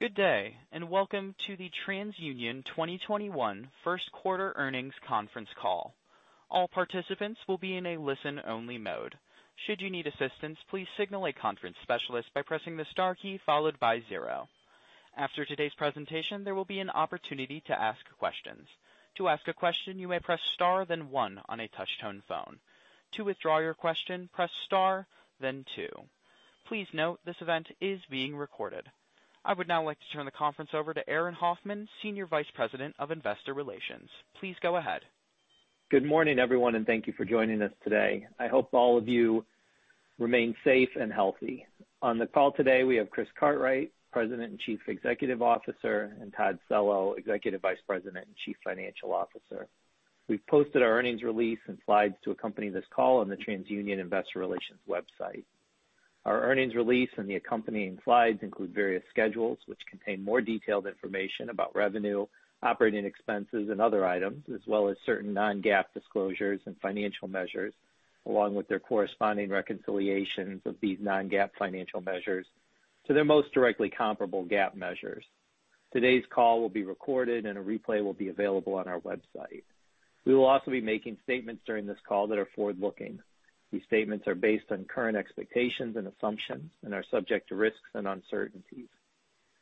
Good day, and welcome to the TransUnion 2021 first quarter earnings conference call. All participants will be in a listen-only mode. Should you need assistance, please signal a conference specialist by pressing the star key followed by zero. After today's presentation, there will be an opportunity to ask questions. To ask a question, you may press star then one on a touch-tone phone. To withdraw your question, press star, then two. Please note, this event is being recorded. I would now like to turn the conference over to Aaron Hoffman, Senior Vice President of Investor Relations. Please go ahead. Good morning, everyone, thank you for joining us today. I hope all of you remain safe and healthy. On the call today, we have Chris Cartwright, President and Chief Executive Officer, and Todd Cello, Executive Vice President and Chief Financial Officer. We've posted our earnings release and slides to accompany this call on the TransUnion investor relations website. Our earnings release and the accompanying slides include various schedules which contain more detailed information about revenue, operating expenses, and other items, as well as certain non-GAAP disclosures and financial measures, along with their corresponding reconciliations of these non-GAAP financial measures to their most directly comparable GAAP measures. Today's call will be recorded and a replay will be available on our website. We will also be making statements during this call that are forward-looking. These statements are based on current expectations and assumptions and are subject to risks and uncertainties.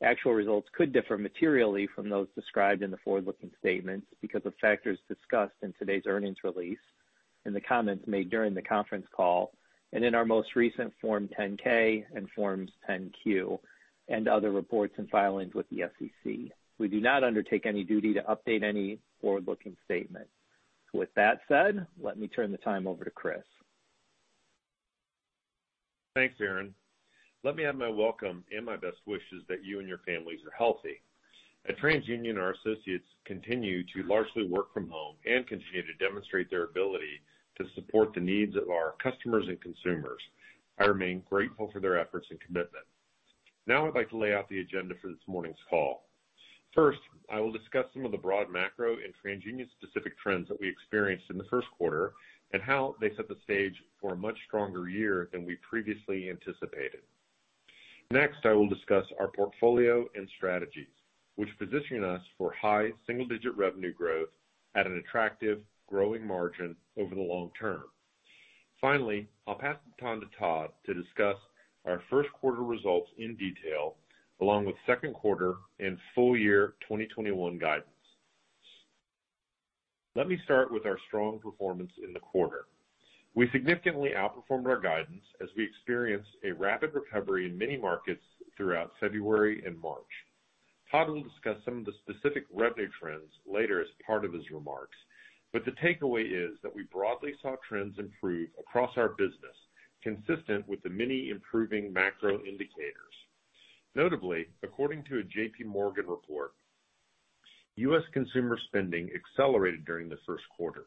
Actual results could differ materially from those described in the forward-looking statements because of factors discussed in today's earnings release, in the comments made during the conference call, and in our most recent Form 10-K and Form 10-Q, and other reports and filings with the SEC. We do not undertake any duty to update any forward-looking statement. With that said, let me turn the time over to Chris. Thanks, Aaron. Let me add my welcome and my best wishes that you and your families are healthy. At TransUnion, our associates continue to largely work from home and continue to demonstrate their ability to support the needs of our customers and consumers. I remain grateful for their efforts and commitment. Now I'd like to lay out the agenda for this morning's call. First, I will discuss some of the broad macro and TransUnion specific trends that we experienced in the first quarter, and how they set the stage for a much stronger year than we previously anticipated. Next, I will discuss our portfolio and strategies, which position us for high single-digit revenue growth at an attractive growing margin over the long term. Finally, I'll pass the time to Todd to discuss our first quarter results in detail, along with second quarter and full year 2021 guidance. Let me start with our strong performance in the quarter. We significantly outperformed our guidance as we experienced a rapid recovery in many markets throughout February and March. Todd will discuss some of the specific revenue trends later as part of his remarks, but the takeaway is that we broadly saw trends improve across our business, consistent with the many improving macro indicators. Notably, according to a JPMorgan report, U.S. consumer spending accelerated during the first quarter,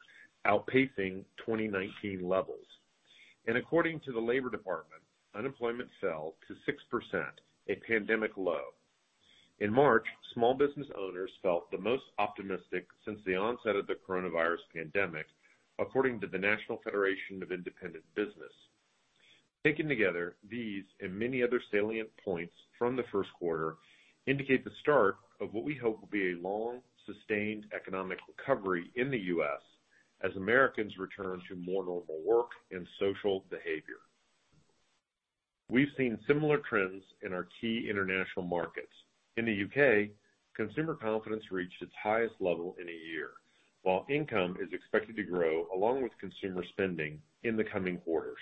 outpacing 2019 levels. According to the Labor Department, unemployment fell to 6%, a pandemic low. In March, small business owners felt the most optimistic since the onset of the coronavirus pandemic, according to the National Federation of Independent Business. Taken together, these and many other salient points from the first quarter indicate the start of what we hope will be a long, sustained economic recovery in the U.S. as Americans return to more normal work and social behavior. We've seen similar trends in our key international markets. In the U.K., consumer confidence reached its highest level in a year. While income is expected to grow along with consumer spending in the coming quarters.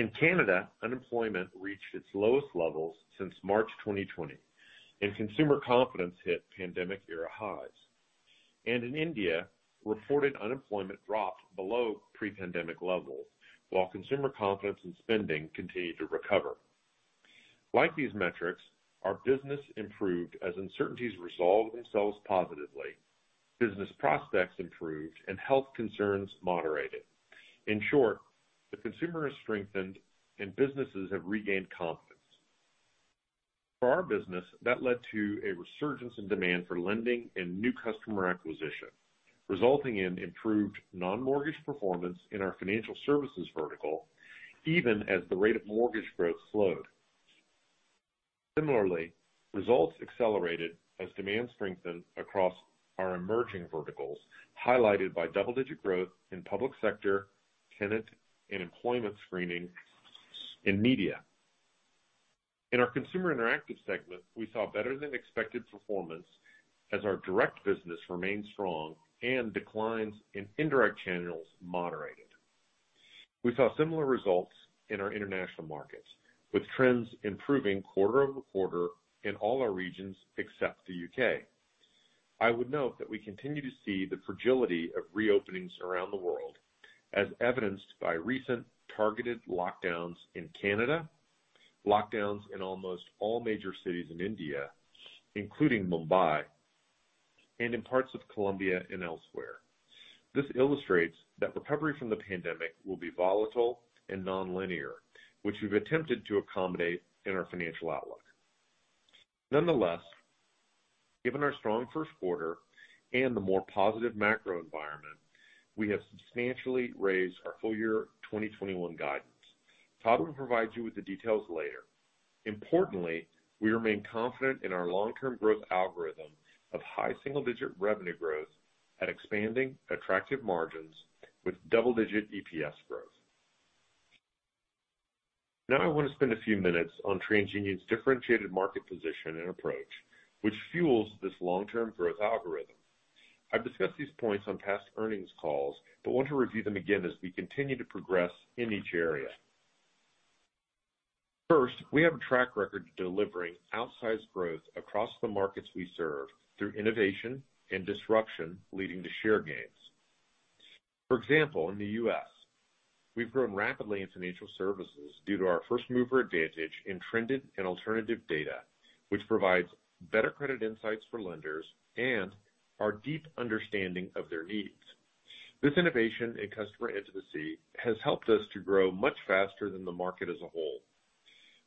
In Canada, unemployment reached its lowest levels since March 2020, and consumer confidence hit pandemic-era highs. In India, reported unemployment dropped below pre-pandemic levels, while consumer confidence and spending continued to recover. Like these metrics, our business improved as uncertainties resolved themselves positively, business prospects improved, and health concerns moderated. In short, the consumer has strengthened and businesses have regained confidence. For our business, that led to a resurgence in demand for lending and new customer acquisition, resulting in improved non-mortgage performance in our financial services vertical, even as the rate of mortgage growth slowed. Similarly, results accelerated as demand strengthened across our emerging verticals, highlighted by double-digit growth in public sector, tenant and employment screening in media. In our Consumer Interactive segment, we saw better than expected performance as our direct business remained strong and declines in indirect channels moderated. We saw similar results in our international markets, with trends improving quarter-over-quarter in all our regions except the U.K. I would note that we continue to see the fragility of reopenings around the world, as evidenced by recent targeted lockdowns in Canada, lockdowns in almost all major cities in India, including Mumbai, and in parts of Colombia and elsewhere. This illustrates that recovery from the pandemic will be volatile and nonlinear, which we've attempted to accommodate in our financial outlook. Nonetheless, given our strong first quarter and the more positive macro environment, we have substantially raised our full year 2021 guidance. Todd will provide you with the details later. Importantly, we remain confident in our long-term growth algorithm of high single-digit revenue growth and expanding attractive margins with double-digit EPS growth. I want to spend a few minutes on TransUnion's differentiated market position and approach, which fuels this long-term growth algorithm. I've discussed these points on past earnings calls, want to review them again as we continue to progress in each area. We have a track record of delivering outsized growth across the markets we serve through innovation and disruption, leading to share gains. For example, in the U.S., we've grown rapidly in financial services due to our first-mover advantage in trended and alternative data, which provides better credit insights for lenders, and our deep understanding of their needs. This innovation in customer intimacy has helped us to grow much faster than the market as a whole.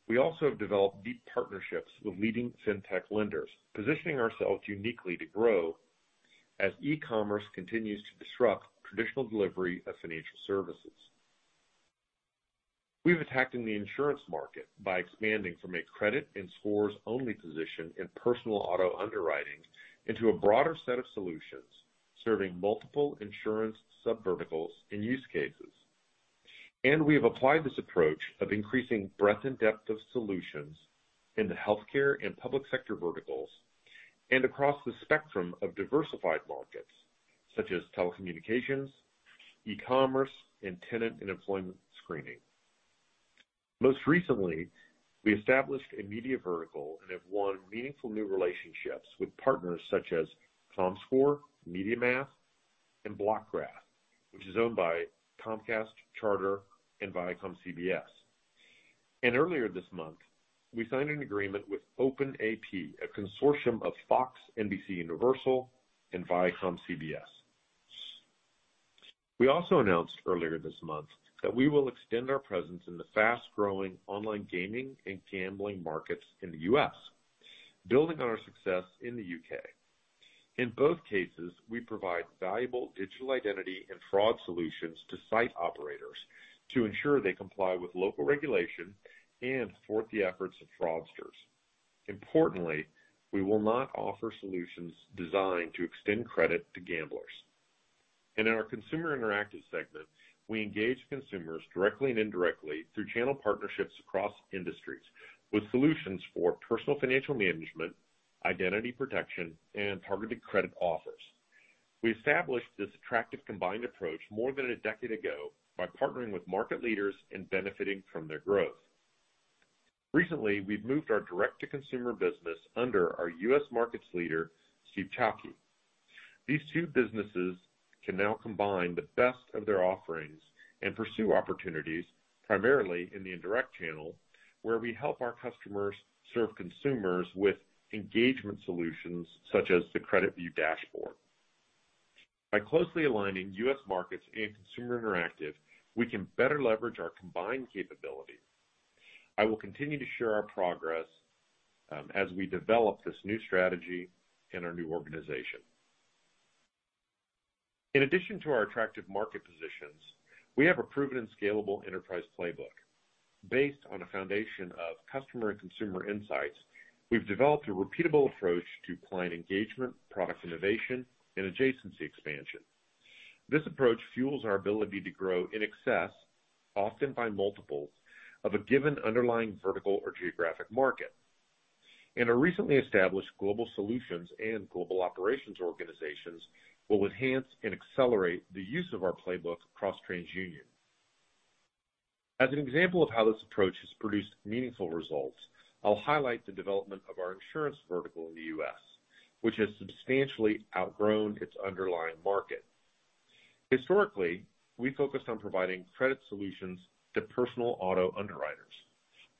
We also have developed deep partnerships with leading fintech lenders, positioning ourselves uniquely to grow as e-commerce continues to disrupt traditional delivery of financial services. We've attacked in the insurance market by expanding from a credit and scores-only position in personal auto underwriting into a broader set of solutions, serving multiple insurance subverticals and use cases. We have applied this approach of increasing breadth and depth of solutions in the healthcare and public sector verticals and across the spectrum of diversified markets such as telecommunications, e-commerce, and tenant and employment screening. Most recently, we established a media vertical and have won meaningful new relationships with partners such as Comscore, MediaMath and Blockgraph, which is owned by Comcast, Charter and ViacomCBS. Earlier this month, we signed an agreement with OpenAP, a consortium of Fox, NBCUniversal and ViacomCBS. We also announced earlier this month that we will extend our presence in the fast-growing online gaming and gambling markets in the U.S., building on our success in the U.K. In both cases, we provide valuable digital identity and fraud solutions to site operators to ensure they comply with local regulation and thwart the efforts of fraudsters. Importantly, we will not offer solutions designed to extend credit to gamblers. In our consumer interactive segment, we engage consumers directly and indirectly through channel partnerships across industries with solutions for personal financial management, identity protection, and targeted credit offers. We established this attractive combined approach more than a decade ago by partnering with market leaders and benefiting from their growth. Recently, we've moved our direct-to-consumer business under our U.S. Markets leader, Steve Chaouki. These two businesses can now combine the best of their offerings and pursue opportunities, primarily in the indirect channel, where we help our customers serve consumers with engagement solutions such as the CreditView Dashboard. By closely aligning U.S. Markets and Consumer Interactive, we can better leverage our combined capability. I will continue to share our progress as we develop this new strategy in our new organization. In addition to our attractive market positions, we have a proven and scalable enterprise playbook. Based on a foundation of customer and consumer insights, we've developed a repeatable approach to client engagement, product innovation and adjacency expansion. This approach fuels our ability to grow in excess, often by multiples, of a given underlying vertical or geographic market. In our recently established global solutions and global operations organizations will enhance and accelerate the use of our playbook across TransUnion. As an example of how this approach has produced meaningful results, I'll highlight the development of our insurance vertical in the U.S., which has substantially outgrown its underlying market. Historically, we focused on providing credit solutions to personal auto underwriters.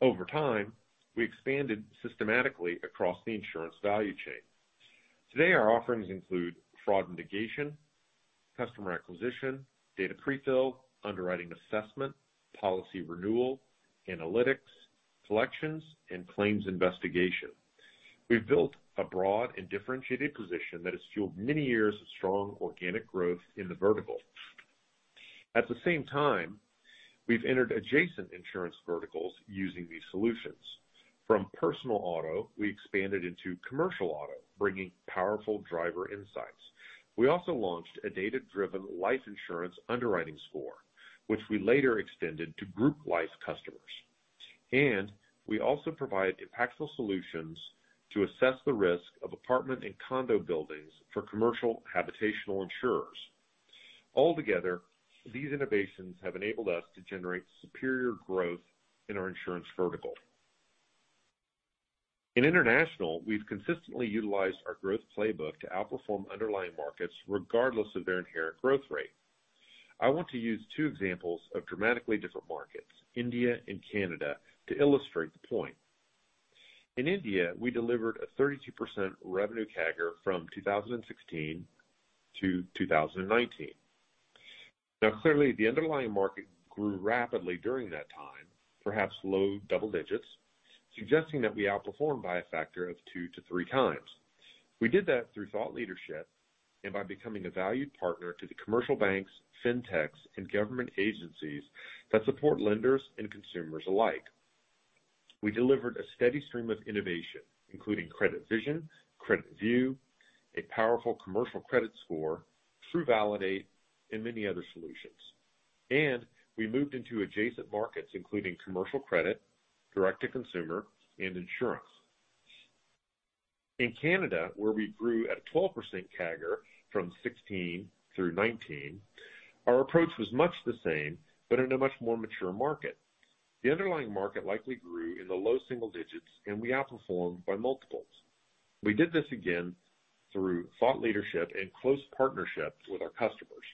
Over time, we expanded systematically across the insurance value chain. Today, our offerings include fraud mitigation, customer acquisition, data Prefill, underwriting assessment, policy renewal, analytics, collections, and claims investigation. We've built a broad and differentiated position that has fueled many years of strong organic growth in the vertical. At the same time, we've entered adjacent insurance verticals using these solutions. From personal auto, we expanded into commercial auto, bringing powerful driver insights. We also launched a data-driven life insurance underwriting score, which we later extended to group life customers. We also provide impactful solutions to assess the risk of apartment and condo buildings for commercial habitational insurers. Altogether, these innovations have enabled us to generate superior growth in our insurance vertical. In international, we've consistently utilized our growth playbook to outperform underlying markets regardless of their inherent growth rate. I want to use two examples of dramatically different markets, India and Canada, to illustrate the point. In India, we delivered a 32% revenue CAGR from 2016 to 2019. Clearly, the underlying market grew rapidly during that time, perhaps low double digits, suggesting that we outperformed by a factor of 2x-3x. We did that through thought leadership and by becoming a valued partner to the commercial banks, fintechs, and government agencies that support lenders and consumers alike. We delivered a steady stream of innovation, including CreditVision, CreditView, a powerful commercial credit score through TruValidate and many other solutions. We moved into adjacent markets, including commercial credit, direct to consumer, and insurance. In Canada, where we grew at a 12% CAGR from 2016 through 2019, our approach was much the same, but in a much more mature market. The underlying market likely grew in the low single digits, and we outperformed by multiples. We did this again through thought leadership and close partnerships with our customers.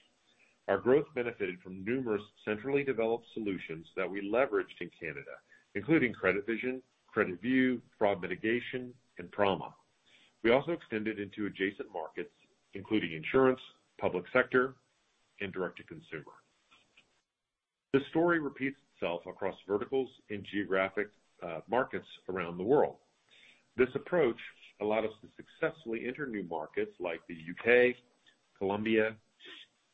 Our growth benefited from numerous centrally developed solutions that we leveraged in Canada, including CreditVision, CreditView, fraud mitigation, and Prama. We also extended into adjacent markets, including insurance, public sector, and direct to consumer. The story repeats itself across verticals in geographic markets around the world. This approach allowed us to successfully enter new markets like the U.K., Colombia,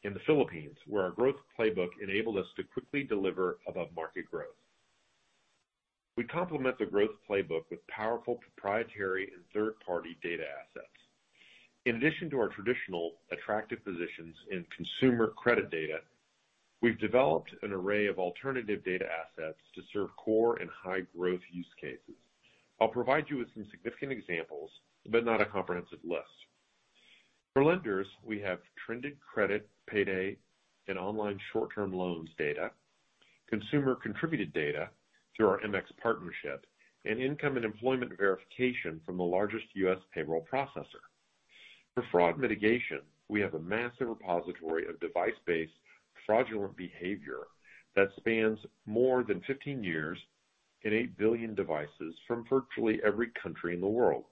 and the Philippines, where our growth playbook enabled us to quickly deliver above-market growth. We complement the growth playbook with powerful proprietary and third-party data assets. In addition to our traditional attractive positions in consumer credit data, we've developed an array of alternative data assets to serve core and high-growth use cases. I'll provide you with some significant examples, but not a comprehensive list. For lenders, we have trended credit, payday, and online short-term loans data, consumer-contributed data through our MX partnership, and income and employment verification from the largest U.S. payroll processor. For fraud mitigation, we have a massive repository of device-based fraudulent behavior that spans more than 15 years and eight billion devices from virtually every country in the world.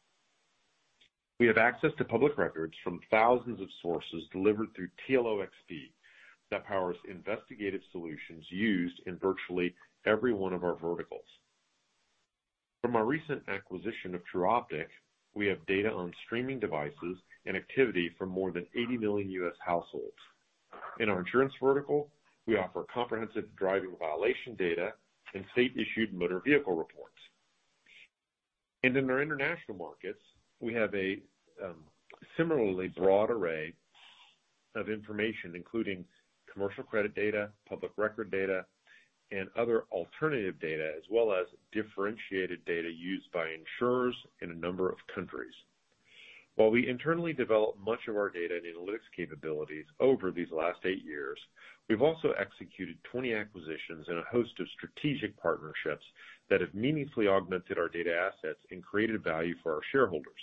We have access to public records from thousands of sources delivered through TLOxp that powers investigative solutions used in virtually every one of our verticals. From our recent acquisition of Tru Optik, we have data on streaming devices and activity from more than 80 million U.S. households. In our insurance vertical, we offer comprehensive driving violation data and state-issued motor vehicle reports. In our international markets, we have a similarly broad array of information, including commercial credit data, public record data, and other alternative data, as well as differentiated data used by insurers in a number of countries. While we internally developed much of our data and analytics capabilities over these last eight years, we've also executed 20 acquisitions and a host of strategic partnerships that have meaningfully augmented our data assets and created value for our shareholders.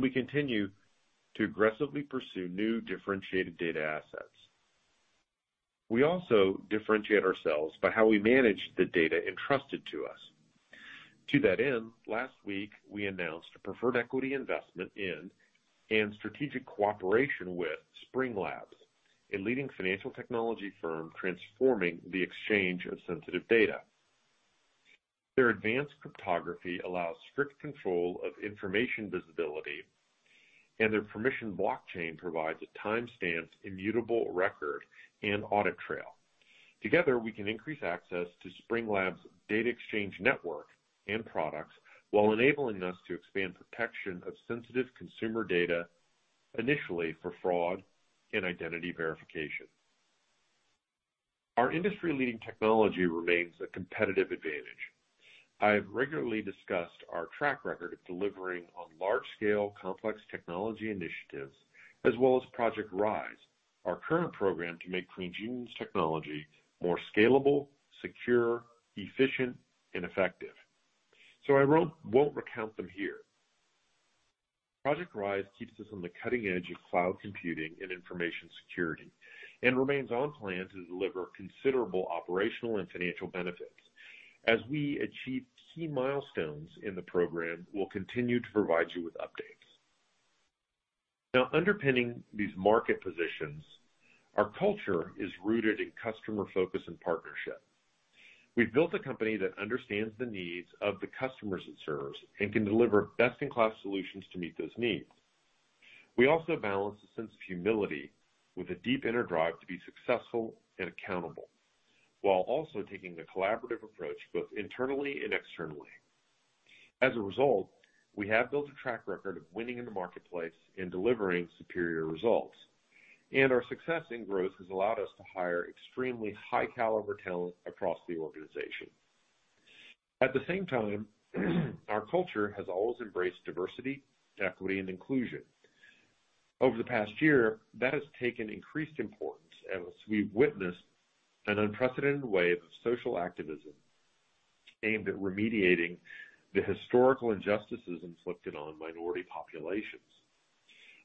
We continue to aggressively pursue new differentiated data assets. We also differentiate ourselves by how we manage the data entrusted to us. To that end, last week, we announced a preferred equity investment in and strategic cooperation with Spring Labs, a leading financial technology firm transforming the exchange of sensitive data. Their advanced cryptography allows strict control of information visibility, and their permissioned blockchain provides a timestamped, immutable record and audit trail. Together, we can increase access to Spring Labs' data exchange network and products while enabling us to expand protection of sensitive consumer data, initially for fraud and identity verification. Our industry-leading technology remains a competitive advantage. I have regularly discussed our track record of delivering on large-scale, complex technology initiatives as well as Project Rise, our current program to make TransUnion's technology more scalable, secure, efficient, and effective. I won't recount them here. Project Rise keeps us on the cutting edge of cloud computing and information security and remains on plan to deliver considerable operational and financial benefits. As we achieve key milestones in the program, we'll continue to provide you with updates. Now, underpinning these market positions, our culture is rooted in customer focus and partnership. We've built a company that understands the needs of the customers it serves and can deliver best-in-class solutions to meet those needs. We also balance a sense of humility with a deep inner drive to be successful and accountable, while also taking a collaborative approach both internally and externally. As a result, we have built a track record of winning in the marketplace and delivering superior results. Our success and growth has allowed us to hire extremely high-caliber talent across the organization. At the same time, our culture has always embraced diversity, equity, and inclusion. Over the past year, that has taken increased importance as we've witnessed an unprecedented wave of social activism aimed at remediating the historical injustices inflicted on minority populations.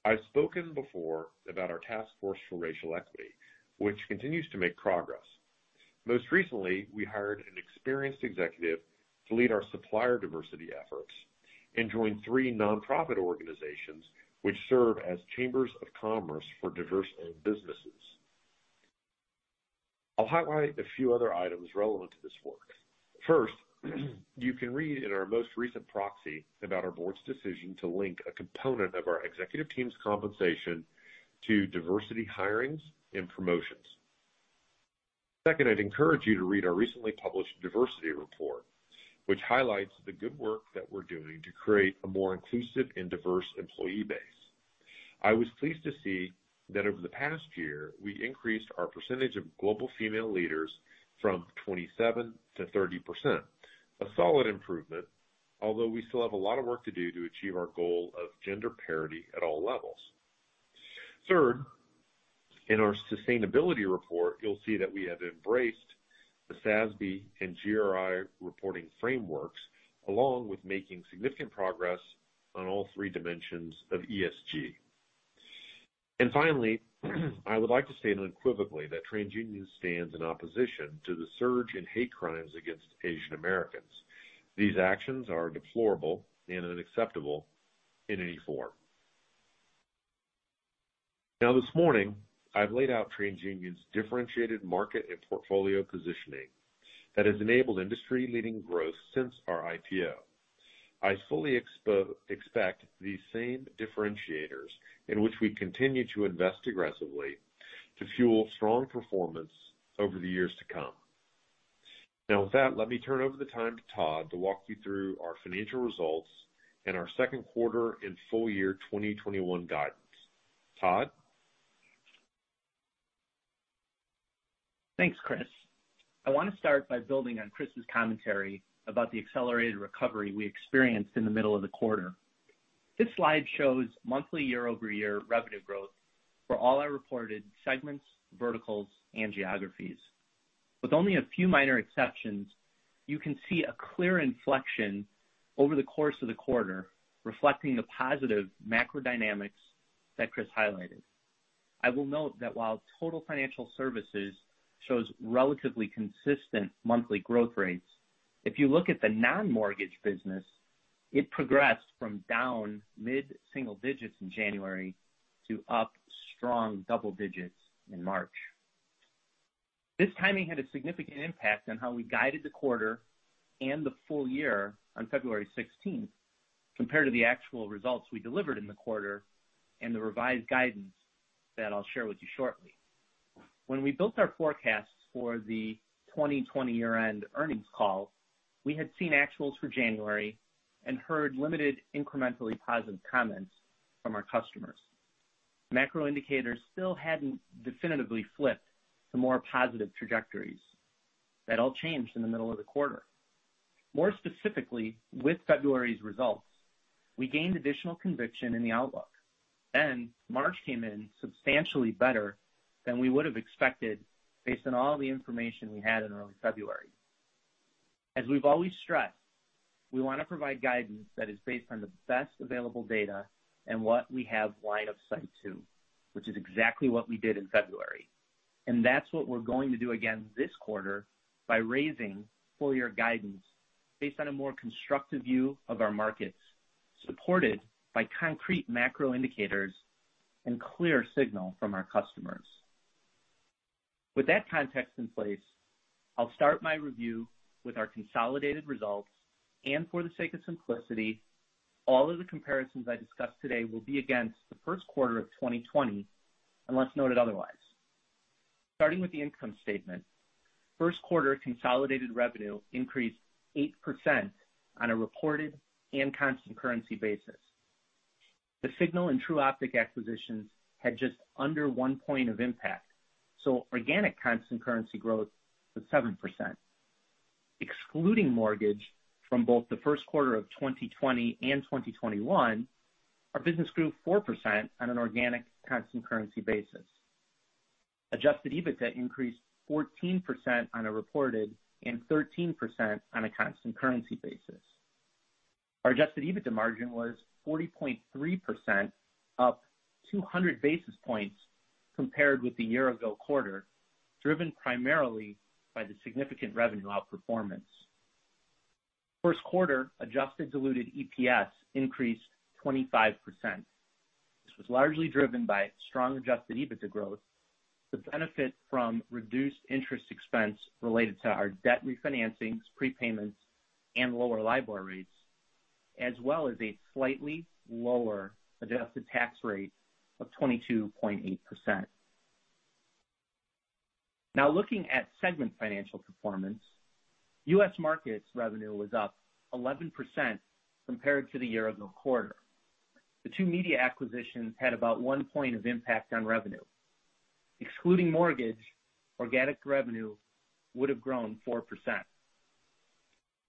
I've spoken before about our task force for racial equity, which continues to make progress. Most recently, we hired an experienced executive to lead our supplier diversity efforts and joined three nonprofit organizations which serve as chambers of commerce for diverse-owned businesses. I'll highlight a few other items relevant to this work. First, you can read in our most recent proxy about our board's decision to link a component of our executive team's compensation to diversity hirings and promotions. Second, I'd encourage you to read our recently published diversity report, which highlights the good work that we're doing to create a more inclusive and diverse employee base. I was pleased to see that over the past year, we increased our percentage of global female leaders from 27% to 30%, a solid improvement, although we still have a lot of work to do to achieve our goal of gender parity at all levels. Third, in our sustainability report, you'll see that we have embraced the SASB and GRI reporting frameworks, along with making significant progress on all three dimensions of ESG. Finally, I would like to state unequivocally that TransUnion stands in opposition to the surge in hate crimes against Asian-Americans. These actions are deplorable and unacceptable in any form. Now, this morning, I've laid out TransUnion's differentiated market and portfolio positioning that has enabled industry-leading growth since our IPO. I fully expect these same differentiators, in which we continue to invest aggressively, to fuel strong performance over the years to come. Now, with that, let me turn over the time to Todd to walk you through our financial results and our second quarter and full year 2021 guidance. Todd? Thanks, Chris. I want to start by building on Chris's commentary about the accelerated recovery we experienced in the middle of the quarter. This slide shows monthly year-over-year revenue growth for all our reported segments, verticals, and geographies. With only a few minor exceptions, you can see a clear inflection over the course of the quarter, reflecting the positive macro dynamics that Chris highlighted. I will note that while total financial services shows relatively consistent monthly growth rates, if you look at the non-mortgage business, it progressed from down mid-single digits in January to up strong double digits in March. This timing had a significant impact on how we guided the quarter and the full year on February 16th, compared to the actual results we delivered in the quarter and the revised guidance that I'll share with you shortly. When we built our forecasts for the 2020 year-end earnings call, we had seen actuals for January and heard limited incrementally positive comments from our customers. Macro indicators still hadn't definitively flipped to more positive trajectories. That all changed in the middle of the quarter. More specifically, with February's results, we gained additional conviction in the outlook. March came in substantially better than we would have expected based on all the information we had in early February. As we've always stressed, we want to provide guidance that is based on the best available data and what we have line of sight to, which is exactly what we did in February. That's what we're going to do again this quarter by raising full-year guidance based on a more constructive view of our markets, supported by concrete macro indicators and clear signal from our customers. With that context in place, I'll start my review with our consolidated results, and for the sake of simplicity, all of the comparisons I discuss today will be against the first quarter of 2020, unless noted otherwise. Starting with the income statement, first quarter consolidated revenue increased 8% on a reported and constant currency basis. The Signal and Tru Optik acquisitions had just under one point of impact, so organic constant currency growth was 7%. Excluding mortgage from both the first quarter of 2020 and 2021, our business grew 4% on an organic constant currency basis. Adjusted EBITDA increased 14% on a reported and 13% on a constant currency basis. Our adjusted EBITDA margin was 40.3% up 200 basis points compared with the year-ago quarter, driven primarily by the significant revenue outperformance. First quarter adjusted diluted EPS increased 25%. This was largely driven by strong adjusted EBITDA growth to benefit from reduced interest expense related to our debt refinancing, prepayments, and lower LIBOR rates, as well as a slightly lower adjusted tax rate of 22.8%. Now, looking at segment financial performance, U.S. Markets revenue was up 11% compared to the year-ago quarter. The two media acquisitions had about one point of impact on revenue. Excluding mortgage, organic revenue would have grown 4%.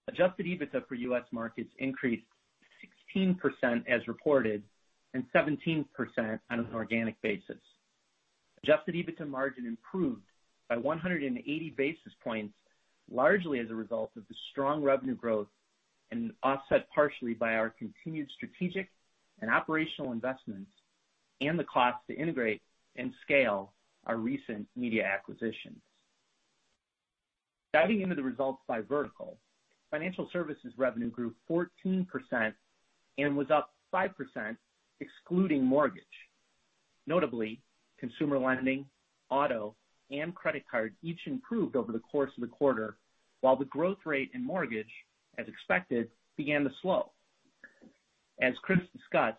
Adjusted EBITDA for U.S. Markets increased 16% as reported and 17% on an organic basis. Adjusted EBITDA margin improved by 180 basis points, largely as a result of the strong revenue growth and offset partially by our continued strategic and operational investments and the cost to integrate and scale our recent media acquisitions. Diving into the results by vertical, financial services revenue grew 14% and was up 5%, excluding mortgage. Notably, consumer lending, auto, and credit card each improved over the course of the quarter, while the growth rate in mortgage, as expected, began to slow. As Chris discussed,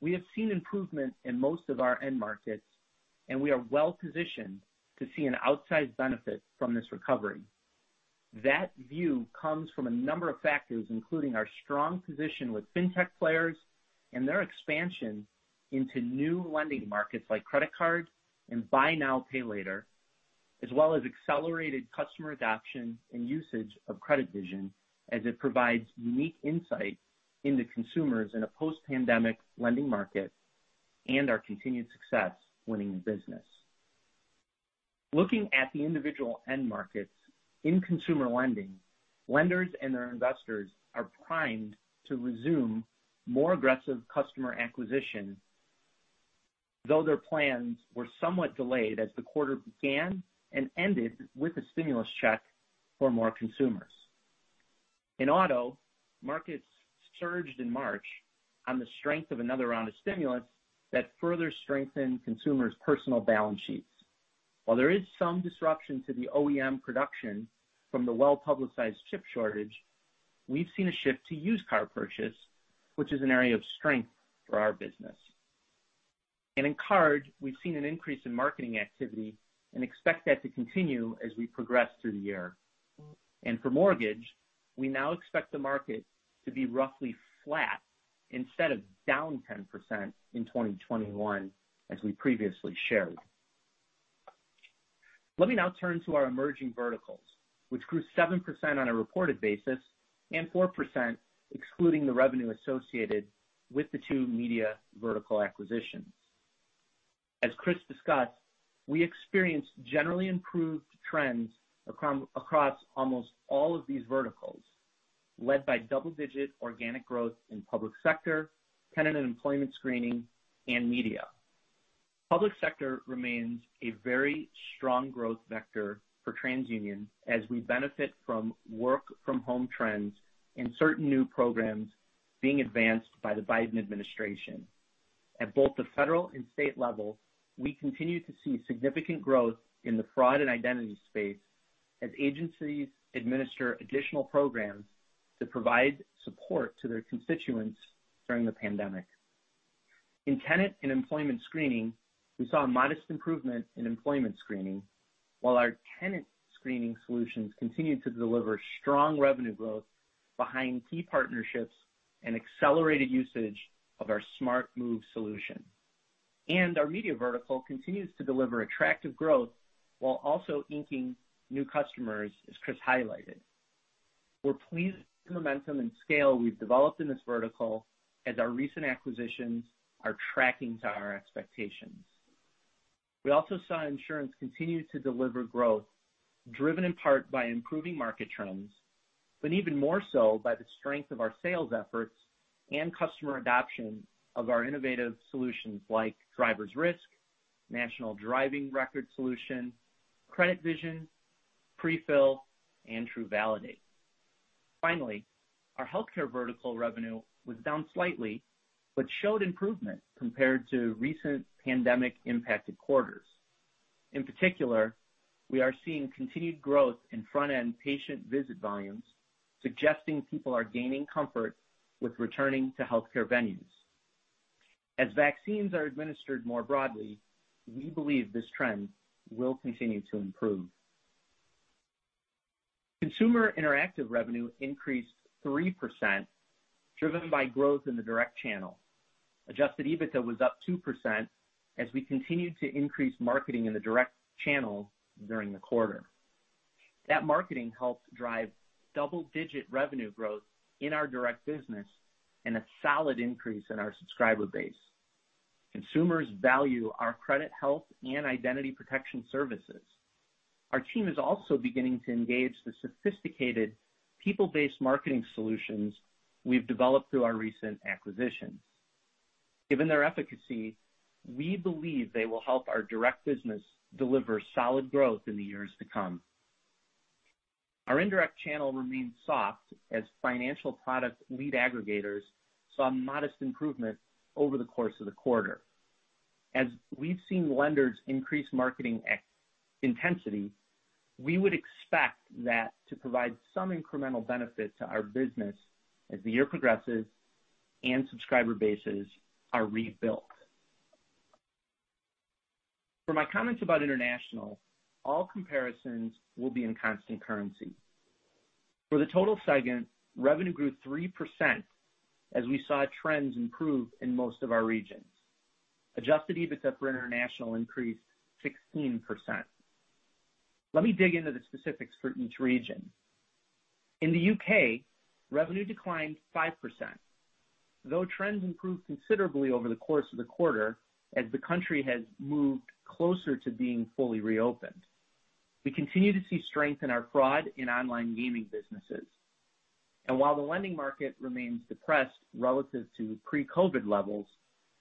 we have seen improvement in most of our end markets, and we are well-positioned to see an outsized benefit from this recovery. That view comes from a number of factors, including our strong position with fintech players and their expansion into new lending markets like credit card and buy now, pay later, as well as accelerated customer adoption and usage of CreditVision, as it provides unique insight into consumers in a post-pandemic lending market and our continued success winning the business. Looking at the individual end markets, in consumer lending, lenders and their investors are primed to resume more aggressive customer acquisition, though their plans were somewhat delayed as the quarter began and ended with a stimulus check for more consumers. In auto, markets surged in March on the strength of another round of stimulus that further strengthened consumers' personal balance sheets. While there is some disruption to the OEM production from the well-publicized chip shortage, we've seen a shift to used car purchase, which is an area of strength for our business. In card, we've seen an increase in marketing activity and expect that to continue as we progress through the year. For mortgage, we now expect the market to be roughly flat instead of down 10% in 2021, as we previously shared. Let me now turn to our emerging verticals, which grew 7% on a reported basis and 4% excluding the revenue associated with the two media vertical acquisitions. As Chris discussed, we experienced generally improved trends across almost all of these verticals, led by double-digit organic growth in public sector, tenant and employment screening, and media. Public sector remains a very strong growth vector for TransUnion as we benefit from work-from-home trends and certain new programs being advanced by the Biden administration. At both the federal and state level, we continue to see significant growth in the fraud and identity space as agencies administer additional programs that provide support to their constituents during the pandemic. In tenant and employment screening, we saw a modest improvement in employment screening, while our tenant screening solutions continued to deliver strong revenue growth behind key partnerships and accelerated usage of our SmartMove solution. Our media vertical continues to deliver attractive growth while also inking new customers, as Chris highlighted. We're pleased with the momentum and scale we've developed in this vertical as our recent acquisitions are tracking to our expectations. We also saw insurance continue to deliver growth driven in part by improving market trends, but even more so by the strength of our sales efforts and customer adoption of our innovative solutions like DriverRisk, National Driving Record solution, CreditVision, Prefill, and TruValidate. Finally, our healthcare vertical revenue was down slightly but showed improvement compared to recent pandemic-impacted quarters. In particular, we are seeing continued growth in front-end patient visit volumes, suggesting people are gaining comfort with returning to healthcare venues. As vaccines are administered more broadly, we believe this trend will continue to improve. Consumer interactive revenue increased 3%, driven by growth in the direct channel. Adjusted EBITDA was up 2% as we continued to increase marketing in the direct channel during the quarter. That marketing helped drive double-digit revenue growth in our direct business and a solid increase in our subscriber base. Consumers value our credit, health, and identity protection services. Our team is also beginning to engage the sophisticated people-based marketing solutions we've developed through our recent acquisitions. Given their efficacy, we believe they will help our direct business deliver solid growth in the years to come. Our indirect channel remains soft as financial product lead aggregators saw modest improvement over the course of the quarter. As we've seen lenders increase marketing intensity, we would expect that to provide some incremental benefit to our business as the year progresses and subscriber bases are rebuilt. For my comments about international, all comparisons will be in constant currency. For the total segment, revenue grew 3% as we saw trends improve in most of our regions. Adjusted EBITDA for international increased 16%. Let me dig into the specifics for each region. In the UK, revenue declined 5%, though trends improved considerably over the course of the quarter as the country has moved closer to being fully reopened. We continue to see strength in our fraud and online gaming businesses. While the lending market remains depressed relative to pre-COVID levels,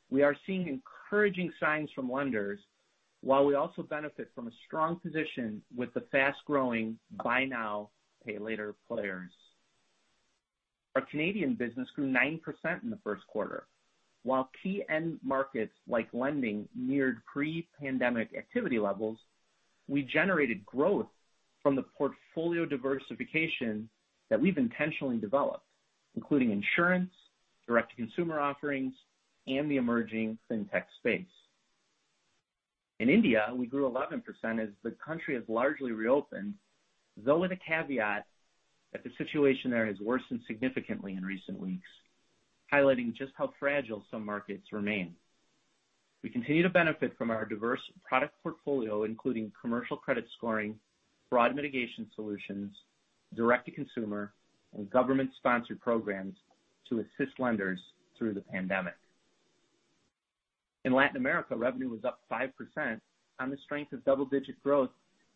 we are seeing encouraging signs from lenders, while we also benefit from a strong position with the fast-growing buy now, pay later players. Our Canadian business grew 9% in the first quarter. While key end markets like lending neared pre-pandemic activity levels, we generated growth from the portfolio diversification that we've intentionally developed, including insurance, direct-to-consumer offerings, and the emerging fintech space. In India, we grew 11% as the country has largely reopened, though with a caveat that the situation there has worsened significantly in recent weeks, highlighting just how fragile some markets remain. We continue to benefit from our diverse product portfolio, including commercial credit scoring, fraud mitigation solutions, direct-to-consumer, and government-sponsored programs to assist lenders through the pandemic. In Latin America, revenue was up 5% on the strength of double-digit growth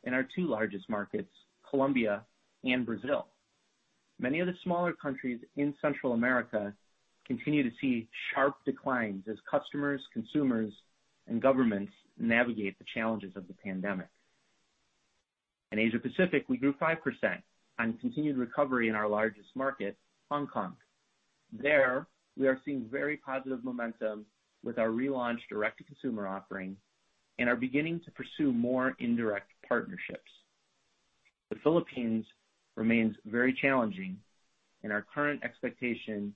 in our two largest markets, Colombia and Brazil. Many of the smaller countries in Central America continue to see sharp declines as customers, consumers, and governments navigate the challenges of the pandemic. In Asia Pacific, we grew 5% on continued recovery in our largest market, Hong Kong. There, we are seeing very positive momentum with our relaunched direct-to-consumer offering and are beginning to pursue more indirect partnerships. The Philippines remains very challenging, and our current expectation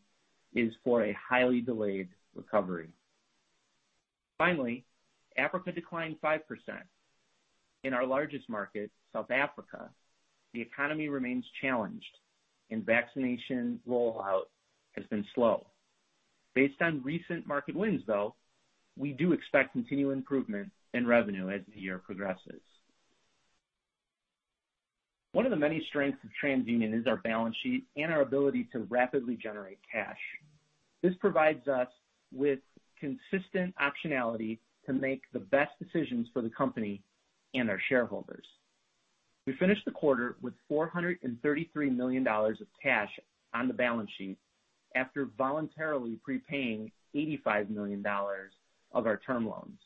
is for a highly delayed recovery. Finally, Africa declined 5%. In our largest market, South Africa, the economy remains challenged and vaccination rollout has been slow. Based on recent market wins, though, we do expect continued improvement in revenue as the year progresses. One of the many strengths of TransUnion is our balance sheet and our ability to rapidly generate cash. This provides us with consistent optionality to make the best decisions for the company and our shareholders. We finished the quarter with $433 million of cash on the balance sheet after voluntarily prepaying $85 million of our term loans.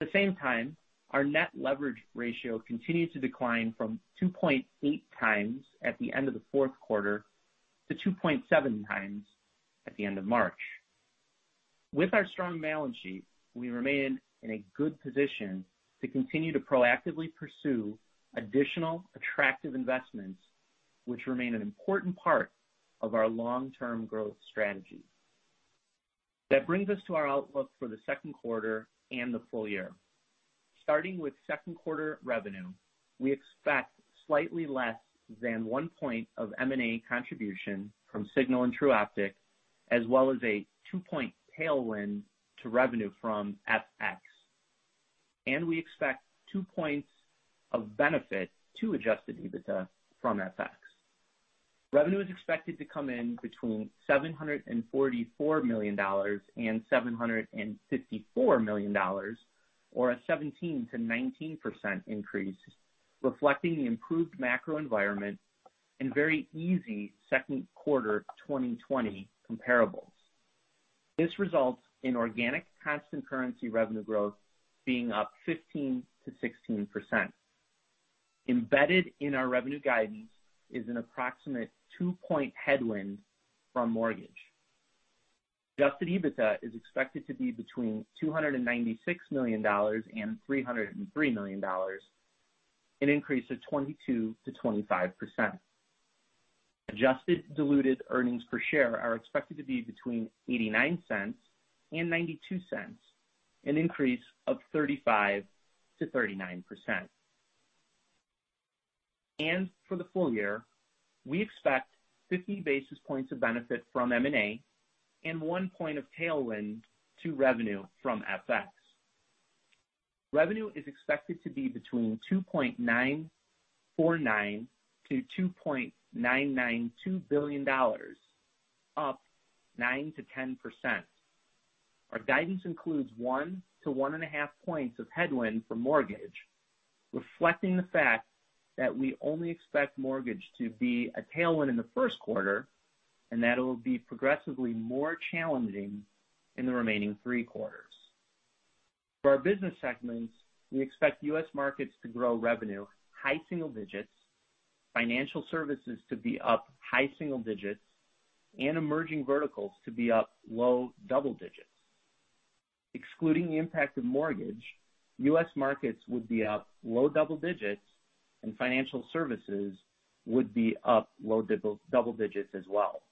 At the same time, our net leverage ratio continued to decline from 2.8x at the end of the fourth quarter to 2.7x at the end of March. With our strong balance sheet, we remain in a good position to continue to proactively pursue additional attractive investments, which remain an important part of our long-term growth strategy. That brings us to our outlook for the second quarter and the full year. Starting with second quarter revenue, we expect slightly less than one point of M&A contribution from Signal and Tru Optik, as well as a two-point tailwind to revenue from FX, and we expect two points of benefit to adjusted EBITDA from FX. Revenue is expected to come in between $744 million and $754 million, or a 17%-19% increase, reflecting the improved macro environment and very easy second quarter 2020 comparables. This results in organic constant currency revenue growth being up 15%-16%. Embedded in our revenue guidance is an approximate two-point headwind from mortgage. Adjusted EBITDA is expected to be between $296 million and $303 million, an increase of 22%-25%. Adjusted diluted earnings per share are expected to be between $0.89 and $0.92, an increase of 35%-39%. For the full year, we expect 50 basis points of benefit from M&A and one point of tailwind to revenue from FX. Revenue is expected to be between $2.949 billion-$2.992 billion, up 9%-10%. Our guidance includes one to one and a half points of headwind from mortgage, reflecting the fact that we only expect mortgage to be a tailwind in the first quarter, and that it will be progressively more challenging in the remaining three quarters. For our business segments, we expect U.S. markets to grow revenue high single digits, financial services to be up high single digits, and emerging verticals to be up low double digits. Excluding the impact of mortgage, U.S. markets would be up low double digits, and financial services would be up low double digits as well.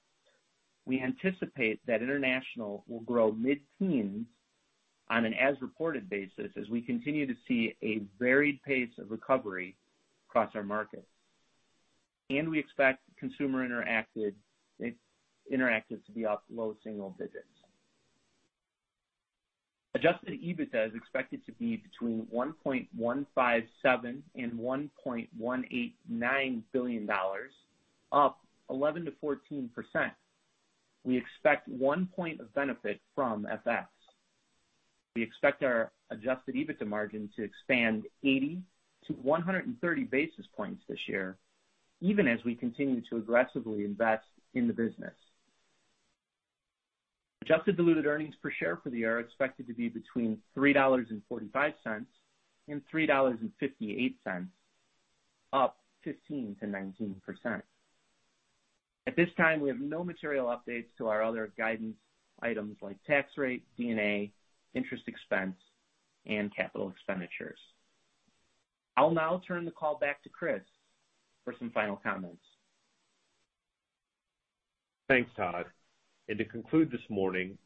We anticipate that international will grow mid-teens on an as-reported basis as we continue to see a varied pace of recovery across our markets. We expect consumer interactive to be up low single digits. Adjusted EBITDA is expected to be between $1.157 and $1.189 billion, up 11%-14%. We expect one point of benefit from FX. We expect our adjusted EBITDA margin to expand 80-130 basis points this year, even as we continue to aggressively invest in the business. Adjusted diluted earnings per share for the year are expected to be between $3.45 and $3.58, up 15%-19%. At this time, we have no material updates to our other guidance items like tax rate, D&A, interest expense, and capital expenditures. I'll now turn the call back to Chris for some final comments. Thanks, Todd. To conclude this morning,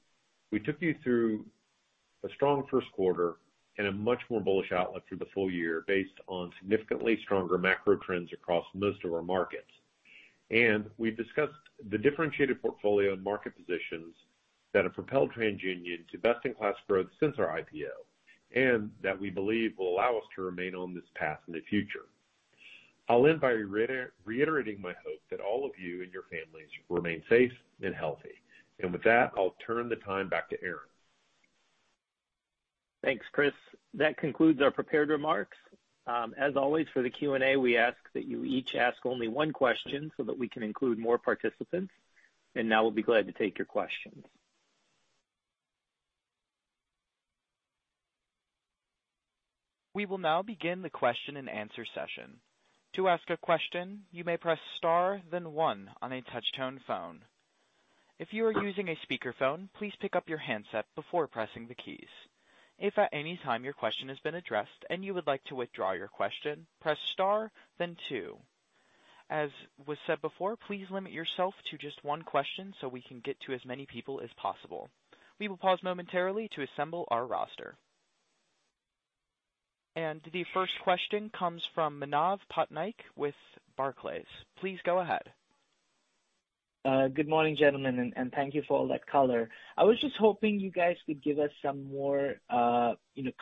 we took you through a strong first quarter and a much more bullish outlook for the full year based on significantly stronger macro trends across most of our markets. We've discussed the differentiated portfolio and market positions that have propelled TransUnion to best-in-class growth since our IPO, and that we believe will allow us to remain on this path in the future. I'll end by reiterating my hope that all of you and your families remain safe and healthy. With that, I'll turn the time back to Aaron. Thanks, Chris. That concludes our prepared remarks. As always, for the Q&A, we ask that you each ask only one question so that we can include more participants. now we'll be glad to take your questions. We will now begin the question and answer session. To ask a question, you may press star then one on a touch-tone phone. If you are using a speakerphone, please pick up your handset before pressing the keys. If at any time your question has been addressed and you would like to withdraw your question, press star, then two. As was said before, please limit yourself to just one question so we can get to as many people as possible. We will pause momentarily to assemble our roster. And the first question comes from Manav Patnaik with Barclays. Please go ahead. Good morning, gentlemen, and thank you for all that color. I was just hoping you guys could give us some more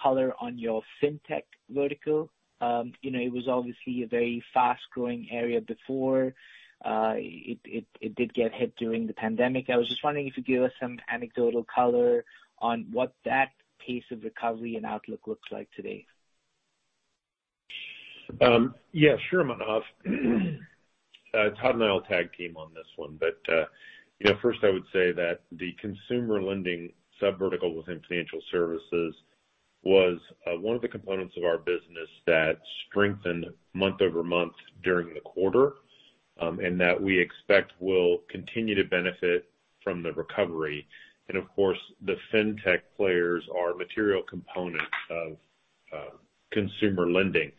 color on your fintech vertical. It was obviously a very fast-growing area before. It did get hit during the pandemic. I was just wondering if you could give us some anecdotal color on what that pace of recovery and outlook looks like today. Yes. Sure, Manav. Todd and I will tag team on this one. First I would say that the consumer lending sub-vertical within financial services was one of the components of our business that strengthened month-over-month during the quarter, and that we expect will continue to benefit from the recovery. Of course, the fintech players are a material component of consumer lending.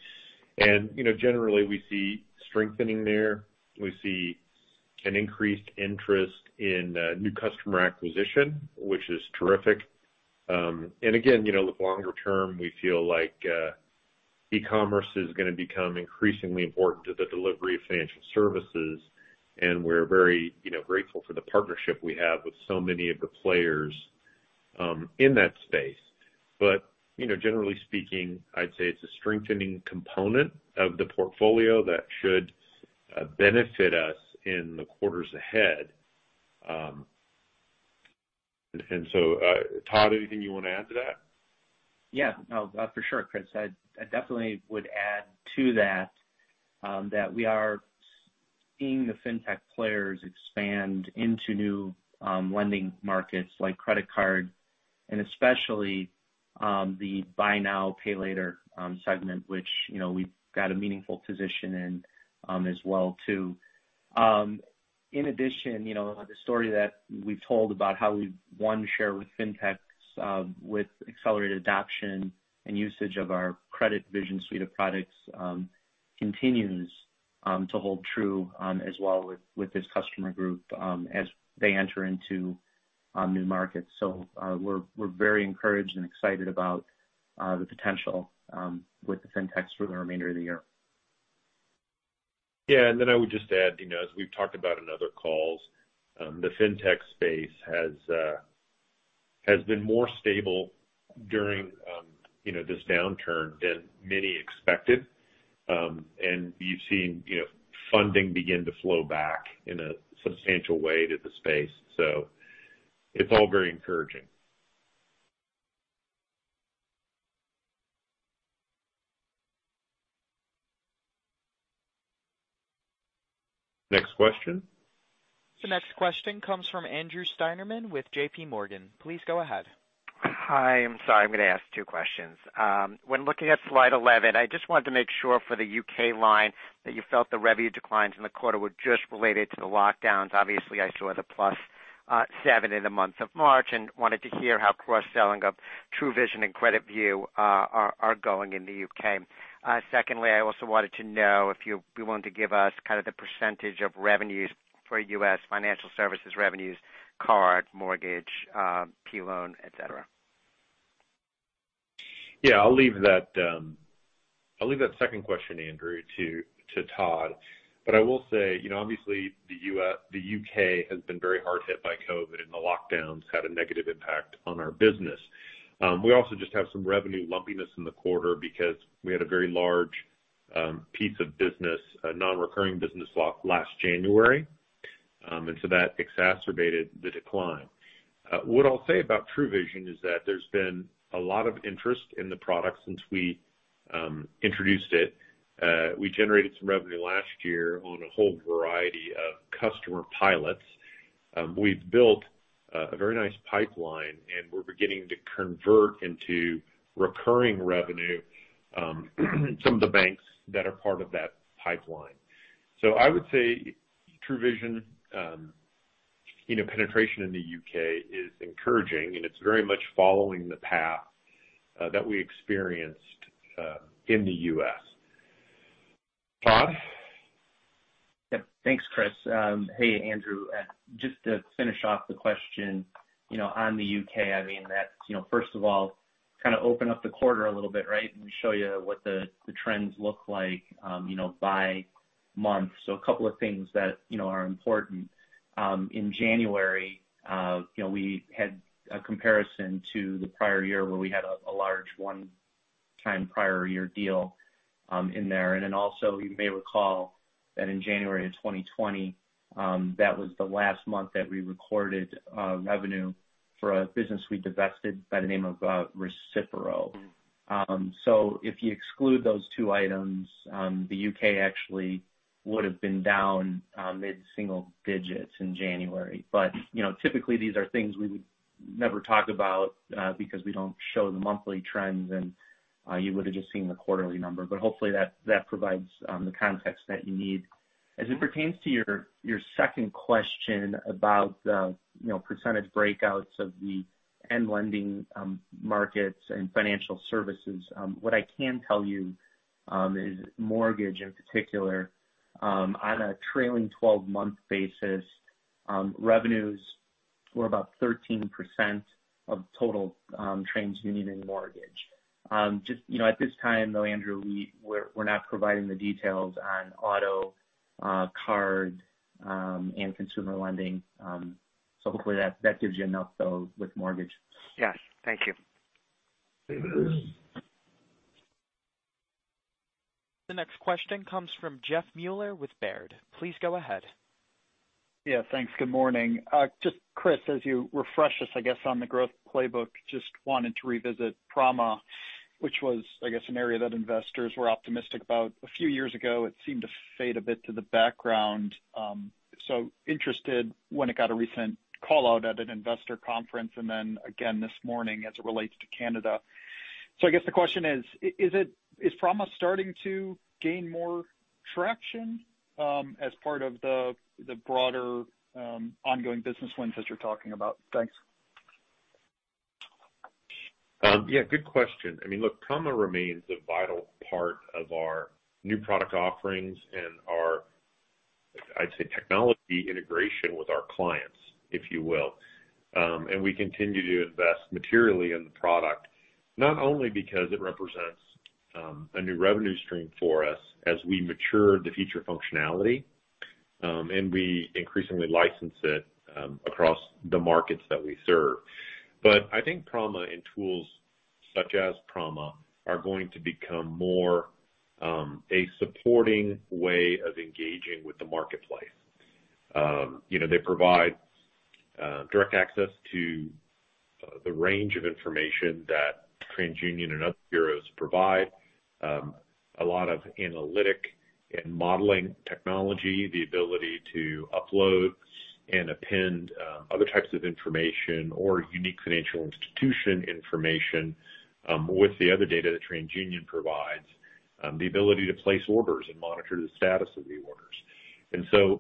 Generally we see strengthening there. We see an increased interest in new customer acquisition, which is terrific. Again, look longer term, we feel like e-commerce is going to become increasingly important to the delivery of financial services, and we're very grateful for the partnership we have with so many of the players in that space. Generally speaking, I'd say it's a strengthening component of the portfolio that should benefit us in the quarters ahead. Todd, anything you want to add to that? Yeah. For sure, Chris. I definitely would add to that we are seeing the fintech players expand into new lending markets like credit card, and especially the buy now, pay later segment, which we've got a meaningful position in as well, too. In addition, the story that we've told about how we've won share with fintechs, with accelerated adoption and usage of our CreditVision suite of products, continues to hold true as well with this customer group as they enter into new markets. We're very encouraged and excited about the potential with the fintechs for the remainder of the year. Yeah. I would just add, as we've talked about in other calls, the fintech space has been more stable during this downturn than many expected. You've seen funding begin to flow back in a substantial way to the space. It's all very encouraging. Next question. The next question comes from Andrew Steinerman with JPMorgan. Please go ahead. Hi. I'm sorry, I'm going to ask two questions. When looking at slide 11, I just wanted to make sure for the U.K. line that you felt the revenue declines in the quarter were just related to the lockdowns. Obviously, I saw the plus seven in the month of March and wanted to hear how cross-selling of TruVision and CreditView are going in the U.K. Secondly, I also wanted to know if you'd be willing to give us kind of the percentage of revenues for U.S. financial services revenues, card, mortgage, P-loan, et cetera. Yeah. I'll leave that second question, Andrew, to Todd. I will say, obviously the U.K. has been very hard hit by COVID and the lockdowns had a negative impact on our business. We also just have some revenue lumpiness in the quarter because we had a very large piece of business, a non-recurring business, last January. That exacerbated the decline. What I'll say about TruVision is that there's been a lot of interest in the product since we introduced it. We generated some revenue last year on a whole variety of customer pilots. We've built a very nice pipeline, and we're beginning to convert into recurring revenue some of the banks that are part of that pipeline. I would say TruVision penetration in the U.K. is encouraging, and it's very much following the path that we experienced in the U.S. Todd? Yeah, thanks, Chris. Hey, Andrew. Just to finish off the question on the U.K., first of all, kind of open up the quarter a little bit, right? Let me show you what the trends look like by month. A couple of things that are important. In January, we had a comparison to the prior year where we had a large one-time prior year deal in there. Also you may recall that in January of 2020, that was the last month that we recorded revenue for a business we divested by the name of Recipero. If you exclude those two items, the U.K. actually would've been down mid-single digits in January. Typically, these are things we would never talk about because we don't show the monthly trends and you would've just seen the quarterly number, but hopefully that provides the context that you need. As it pertains to your second question about the percentage breakouts of the end lending markets and financial services, what I can tell you is mortgage in particular, on a trailing 12-month basis, revenues were about 13% of total TransUnion in mortgage. At this time though, Andrew, we're not providing the details on auto, card, and consumer lending. Hopefully that gives you enough though with mortgage. Yes. Thank you. The next question comes from Jeff Meuler with Baird. Please go ahead. Yeah, thanks. Good morning. Just Chris, as you refresh us, I guess, on the growth playbook, just wanted to revisit Prama, which was, I guess, an area that investors were optimistic about a few years ago. It seemed to fade a bit to the background. Interested when it got a recent call-out at an investor conference, and then again this morning as it relates to Canada. I guess the question is: Is Prama starting to gain more traction as part of the broader ongoing business wins that you're talking about? Thanks. Yeah, good question. Look, Prama remains a vital part of our new product offerings and our, I'd say, technology integration with our clients, if you will. We continue to invest materially in the product, not only because it represents a new revenue stream for us as we mature the future functionality, and we increasingly license it across the markets that we serve. I think Prama and tools such as Prama are going to become more a supporting way of engaging with the marketplace. They provide direct access to the range of information that TransUnion and other bureaus provide, a lot of analytic and modeling technology, the ability to upload and append other types of information or unique financial institution information with the other data that TransUnion provides, the ability to place orders and monitor the status of the orders.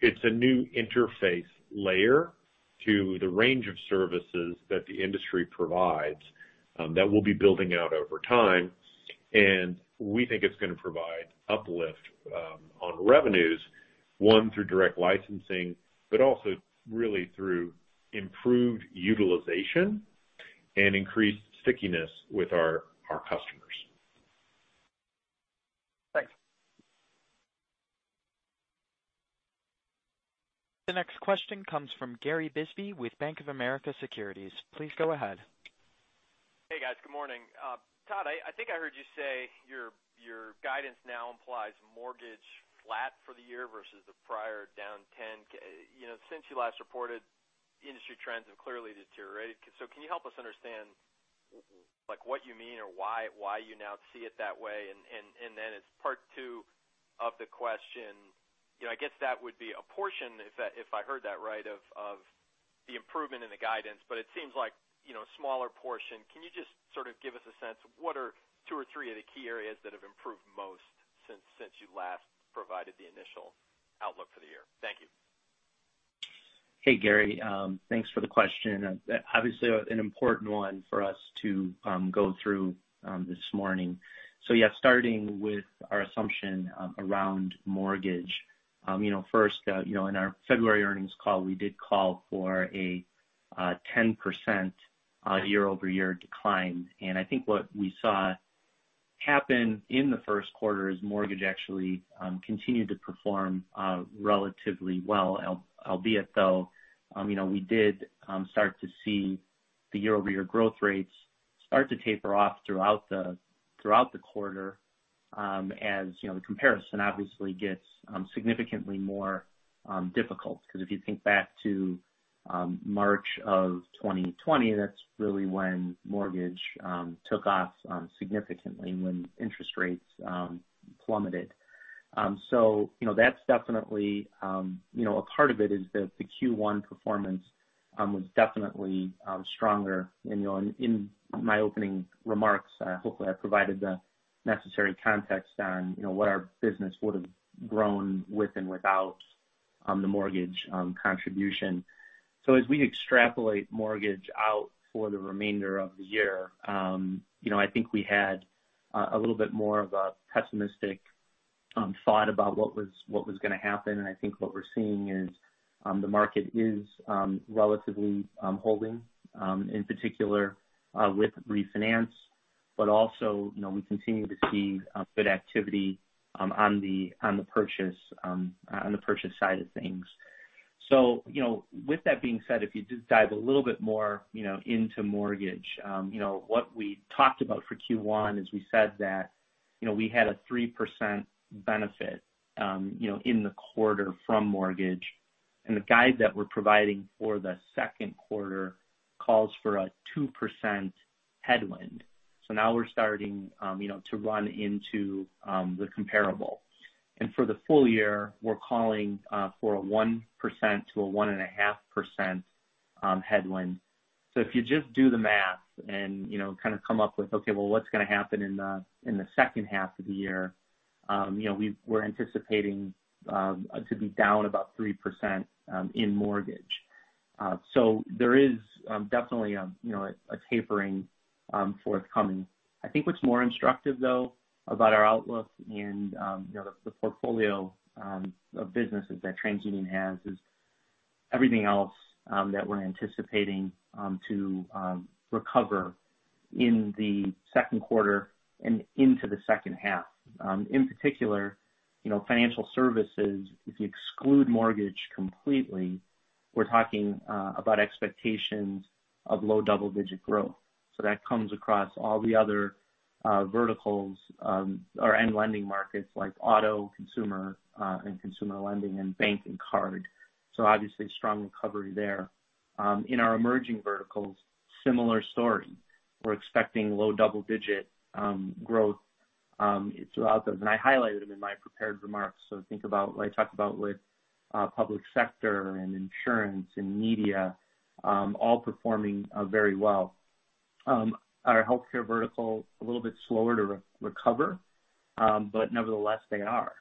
it's a new interface layer to the range of services that the industry provides that we'll be building out over time. we think it's going to provide uplift on revenues, one, through direct licensing, but also really through improved utilization and increased stickiness with our customers. Thanks. The next question comes from Gary Bisbee with Bank of America Securities. Please go ahead. Hey, guys. Good morning. Todd, I think I heard you say your guidance now implies mortgage flat for the year versus the prior down 10. Since you last reported, industry trends have clearly deteriorated. Can you help us understand what you mean or why you now see it that way? As part two of the question, I guess that would be a portion, if I heard that right, of the improvement in the guidance. It seems like a smaller portion. Can you just sort of give us a sense, what are two or three of the key areas that have improved most since you last provided the initial outlook for the year? Thank you. Hey, Gary. Thanks for the question. Obviously, an important one for us to go through this morning. yeah, starting with our assumption around mortgage. First, in our February earnings call, we did call for a 10% year-over-year decline, and I think what we saw happen in the first quarter is mortgage actually continued to perform relatively well, albeit though we did start to see the year-over-year growth rates start to taper off throughout the quarter, as the comparison obviously gets significantly more difficult. if you think back to March of 2020, that's really when mortgage took off significantly when interest rates plummeted. that's definitely a part of it is that the Q1 performance was definitely stronger. In my opening remarks, hopefully I provided the necessary context on what our business would've grown with and without the mortgage contribution. As we extrapolate mortgage out for the remainder of the year, I think we had a little bit more of a pessimistic thought about what was going to happen. I think what we're seeing is the market is relatively holding, in particular with refinance, but also, we continue to see good activity on the purchase side of things. With that being said, if you just dive a little bit more into mortgage. What we talked about for Q1 is we said that we had a 3% benefit in the quarter from mortgage, and the guide that we're providing for the second quarter calls for a 2% headwind. Now we're starting to run into the comparable. For the full year, we're calling for a 1% to a 1.5% headwind. If you just do the math and kind of come up with, okay, well, what's going to happen in the second half of the year? We're anticipating to be down about 3% in mortgage. There is definitely a tapering forthcoming. I think what's more instructive, though, about our outlook and the portfolio of businesses that TransUnion has is everything else that we're anticipating to recover in the second quarter and into the second half. In particular, financial services, if you exclude mortgage completely, we're talking about expectations of low double-digit growth. That comes across all the other verticals or end lending markets like auto, consumer and consumer lending, and bank and card. Obviously strong recovery there. In our emerging verticals, similar story. We're expecting low double-digit growth throughout those. I highlighted them in my prepared remarks. Think about what I talked about with public sector and insurance and media all performing very well. Our healthcare vertical, a little bit slower to recover. Nevertheless, they are.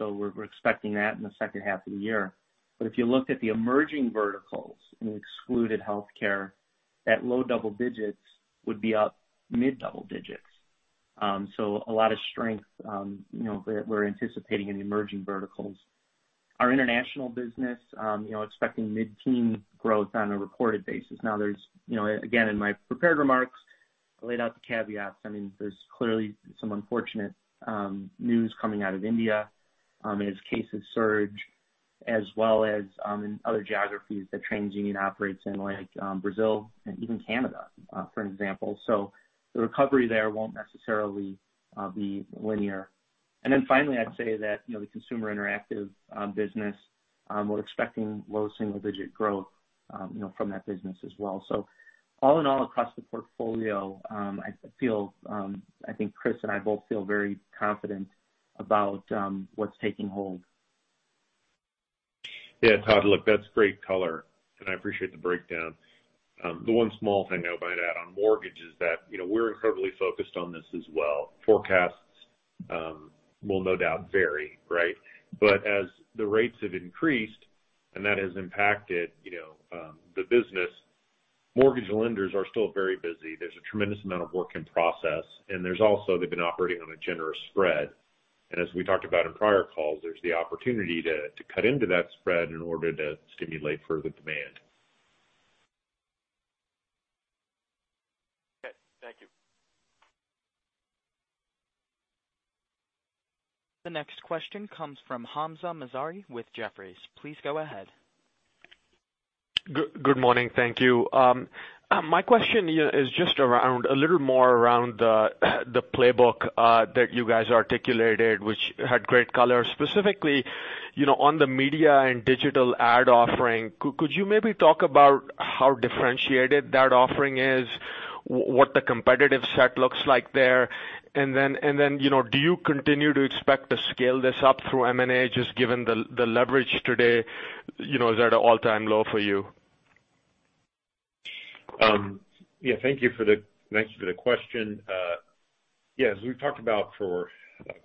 We're expecting that in the second half of the year. If you looked at the emerging verticals and excluded healthcare, that low double digits would be up mid double digits. A lot of strength we're anticipating in emerging verticals. Our international business expecting mid-teen growth on a reported basis. Now there's, again, in my prepared remarks, I laid out the caveats. There's clearly some unfortunate news coming out of India as cases surge, as well as in other geographies that TransUnion operates in, like Brazil and even Canada, for example. The recovery there won't necessarily be linear. Finally, I'd say that the consumer interactive business, we're expecting low single-digit growth from that business as well. All in all, across the portfolio, I think Chris and I both feel very confident about what's taking hold. Yeah, Todd, look, that's great color, and I appreciate the breakdown. The one small thing I would add on mortgage is that we're incredibly focused on this as well. Forecasts will no doubt vary, right? As the rates have increased and that has impacted the business, mortgage lenders are still very busy. There's a tremendous amount of work in process, and there's also they've been operating on a generous spread. As we talked about in prior calls, there's the opportunity to cut into that spread in order to stimulate further demand. Okay. Thank you. The next question comes from Hamzah Mazari with Jefferies. Please go ahead. Good morning. Thank you. My question is just a little more around the playbook that you guys articulated, which had great color, specifically on the media and digital ad offering. Could you maybe talk about how differentiated that offering is, what the competitive set looks like there? Then do you continue to expect to scale this up through M&A, just given the leverage today is at an all-time low for you? Yeah. Thank you for the question. Yes. We've talked about for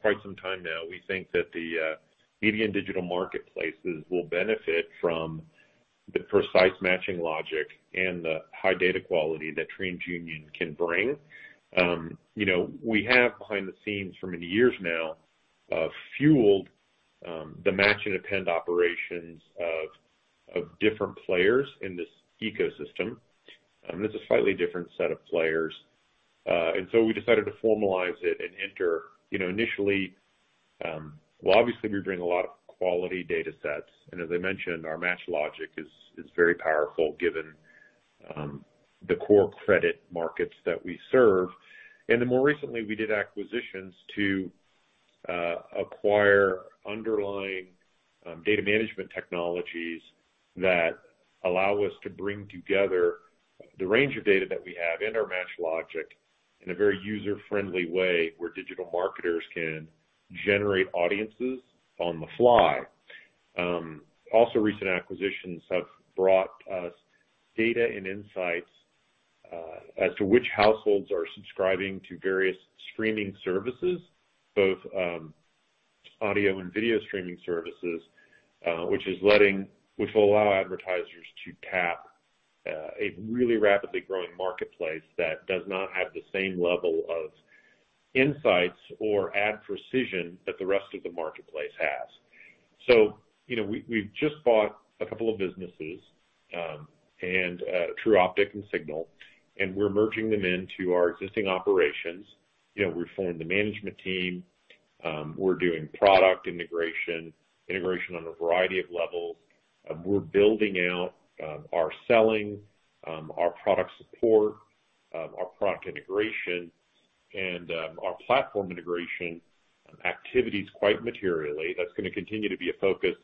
quite some time now, we think that the media and digital marketplaces will benefit from the precise matching logic and the high data quality that TransUnion can bring. We have, behind the scenes for many years now, fueled the match and append operations of different players in this ecosystem. It's a slightly different set of players. We decided to formalize it and enter. Well, obviously we bring a lot of quality data sets, as I mentioned, our match logic is very powerful given the core credit markets that we serve. More recently, we did acquisitions to acquire underlying data management technologies that allow us to bring together the range of data that we have in our match logic in a very user-friendly way where digital marketers can generate audiences on the fly. Also recent acquisitions have brought us data and insights as to which households are subscribing to various streaming services, both audio and video streaming services, which will allow advertisers to tap a really rapidly growing marketplace that does not have the same level of insights or ad precision that the rest of the marketplace has. We've just bought a couple of businesses, Tru Optik and Signal, and we're merging them into our existing operations. We formed the management team. We're doing product integration on a variety of levels. We're building out our selling, our product support, our product integration, and our platform integration activities quite materially. That's going to continue to be a focus.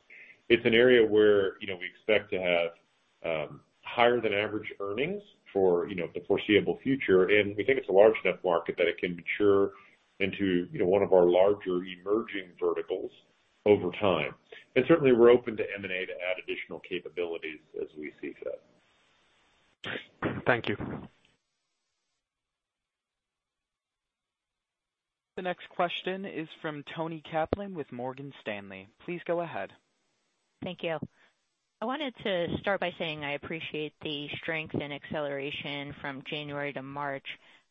It's an area where we expect to have higher than average earnings for the foreseeable future, and we think it's a large enough market that it can mature into one of our larger emerging verticals over time. Certainly, we're open to M&A to add additional capabilities as we see fit. Thank you. The next question is from Toni Kaplan with Morgan Stanley. Please go ahead. Thank you. I wanted to start by saying I appreciate the strength and acceleration from January to March.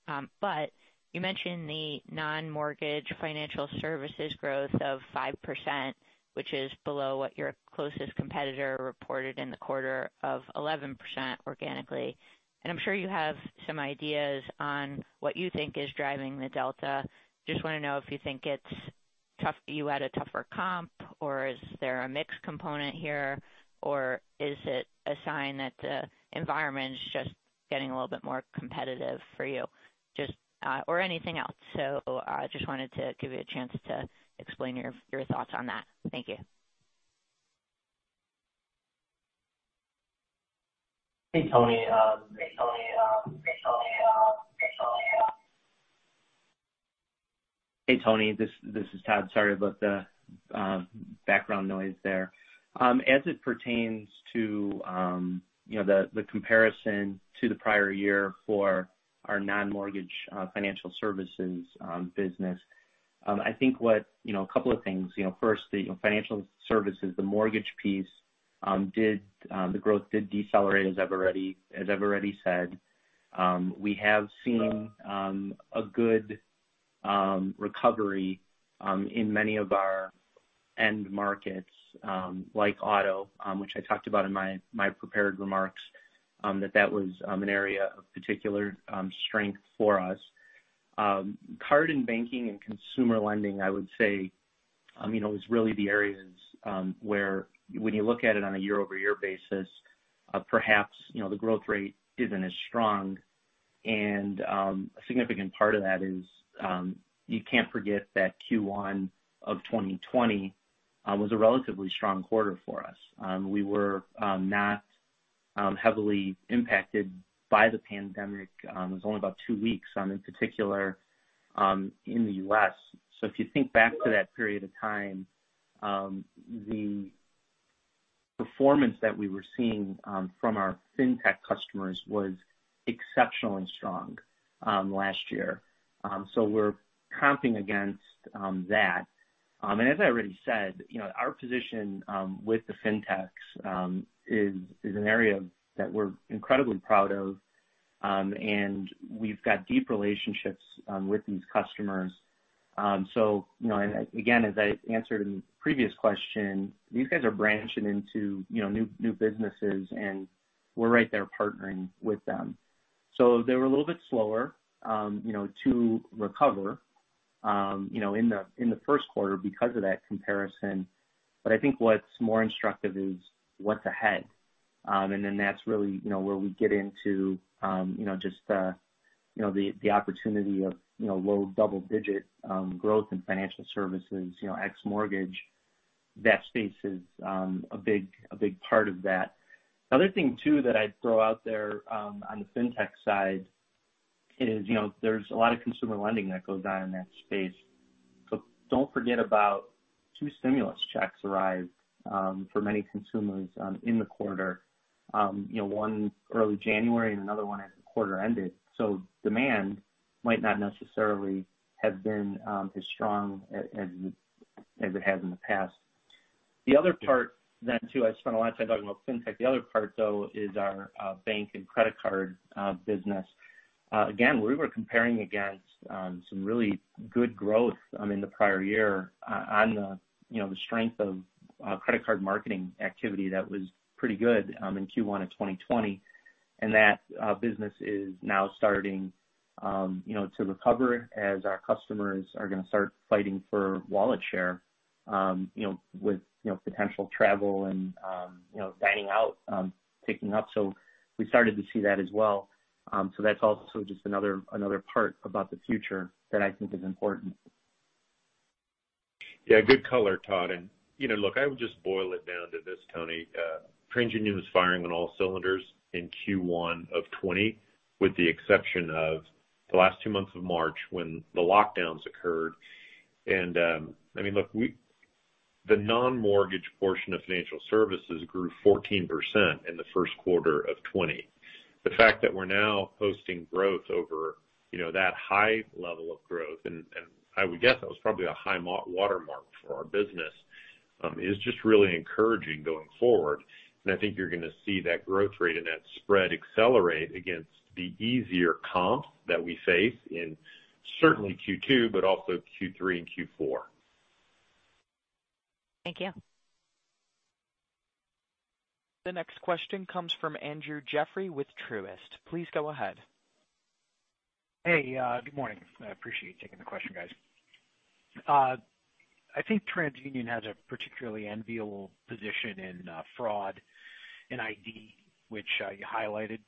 You mentioned the non-mortgage financial services growth of 5%, which is below what your closest competitor reported in the quarter of 11% organically. I'm sure you have some ideas on what you think is driving the delta. Just want to know if you think you had a tougher comp, or is there a mix component here, or is it a sign that the environment is just getting a little bit more competitive for you? Anything else. Just wanted to give you a chance to explain your thoughts on that. Thank you. Hey, Toni. This is Todd. Sorry about the background noise there. As it pertains to the comparison to the prior year for our non-mortgage financial services business, I think a couple of things. First, the financial services, the mortgage piece, the growth did decelerate, as I've already said. We have seen a good recovery in many of our end markets, like auto, which I talked about in my prepared remarks, that was an area of particular strength for us. Card and banking and consumer lending, I would say, is really the areas where when you look at it on a year-over-year basis, perhaps the growth rate isn't as strong and a significant part of that is you can't forget that Q1 of 2020 was a relatively strong quarter for us. We were not heavily impacted by the pandemic. It was only about two weeks in particular in the U.S. If you think back to that period of time, the performance that we were seeing from our Fintech customers was exceptionally strong last year. We're comping against that. As I already said, our position with the Fintechs is an area that we're incredibly proud of, and we've got deep relationships with these customers. Again, as I answered in the previous question, these guys are branching into new businesses and we're right there partnering with them. They were a little bit slower to recover in the first quarter because of that comparison. I think what's more instructive is what's ahead. That's really where we get into just the opportunity of low double-digit growth in financial services, ex-mortgage. That space is a big part of that. The other thing too, that I'd throw out there on the Fintech side is there's a lot of consumer lending that goes on in that space. don't forget about two stimulus checks arrived for many consumers in the quarter. One early January and another one as the quarter ended. demand might not necessarily have been as strong as it has in the past. The other part then too, I spent a lot of time talking about Fintech. The other part, though, is our bank and credit card business. Again, we were comparing against some really good growth in the prior year on the strength of credit card marketing activity that was pretty good in Q1 of 2020, and that business is now starting To recover as our customers are going to start fighting for wallet share with potential travel and dining out picking up. We started to see that as well. That's also just another part about the future that I think is important. Yeah, good color, Todd. Look, I would just boil it down to this, Toni. TransUnion was firing on all cylinders in Q1 of 2020, with the exception of the last two months of March when the lockdowns occurred. Look, the non-mortgage portion of financial services grew 14% in the first quarter of 2020. The fact that we're now posting growth over that high level of growth, and I would guess that was probably a high watermark for our business, is just really encouraging going forward. I think you're going to see that growth rate and that spread accelerate against the easier comp that we face in certainly Q2, but also Q3 and Q4. Thank you. The next question comes from Andrew Jeffrey with Truist. Please go ahead. Hey, good morning. I appreciate taking the question, guys. I think TransUnion has a particularly enviable position in fraud and ID which you highlighted.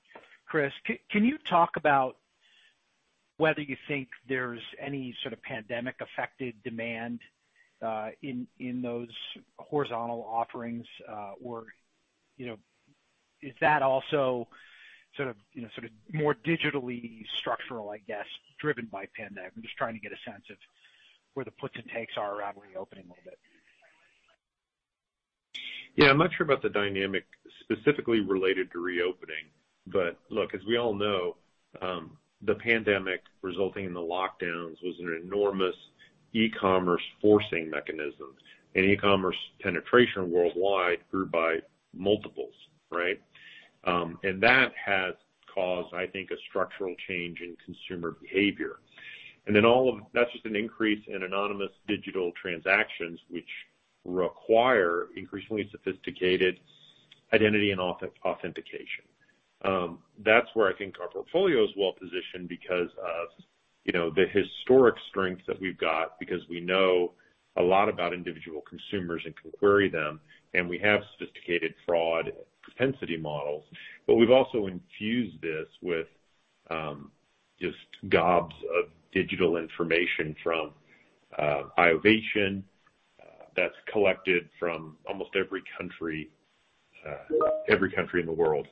Chris, can you talk about whether you think there's any sort of pandemic-affected demand in those horizontal offerings? Is that also more digitally structural, I guess, driven by pandemic? I'm just trying to get a sense of where the puts and takes are around reopening a little bit. Yeah. I'm not sure about the dynamic specifically related to reopening. look, as we all know, the pandemic resulting in the lockdowns was an enormous e-commerce forcing mechanism. e-commerce penetration worldwide grew by multiples, right? that has caused, I think, a structural change in consumer behavior. then that's just an increase in anonymous digital transactions, which require increasingly sophisticated identity and authentication. That's where I think our portfolio is well-positioned because of the historic strength that we've got because we know a lot about individual consumers and can query them. we have sophisticated fraud propensity models. we've also infused this with just gobs of digital information from iovation that's collected from almost every country in the world.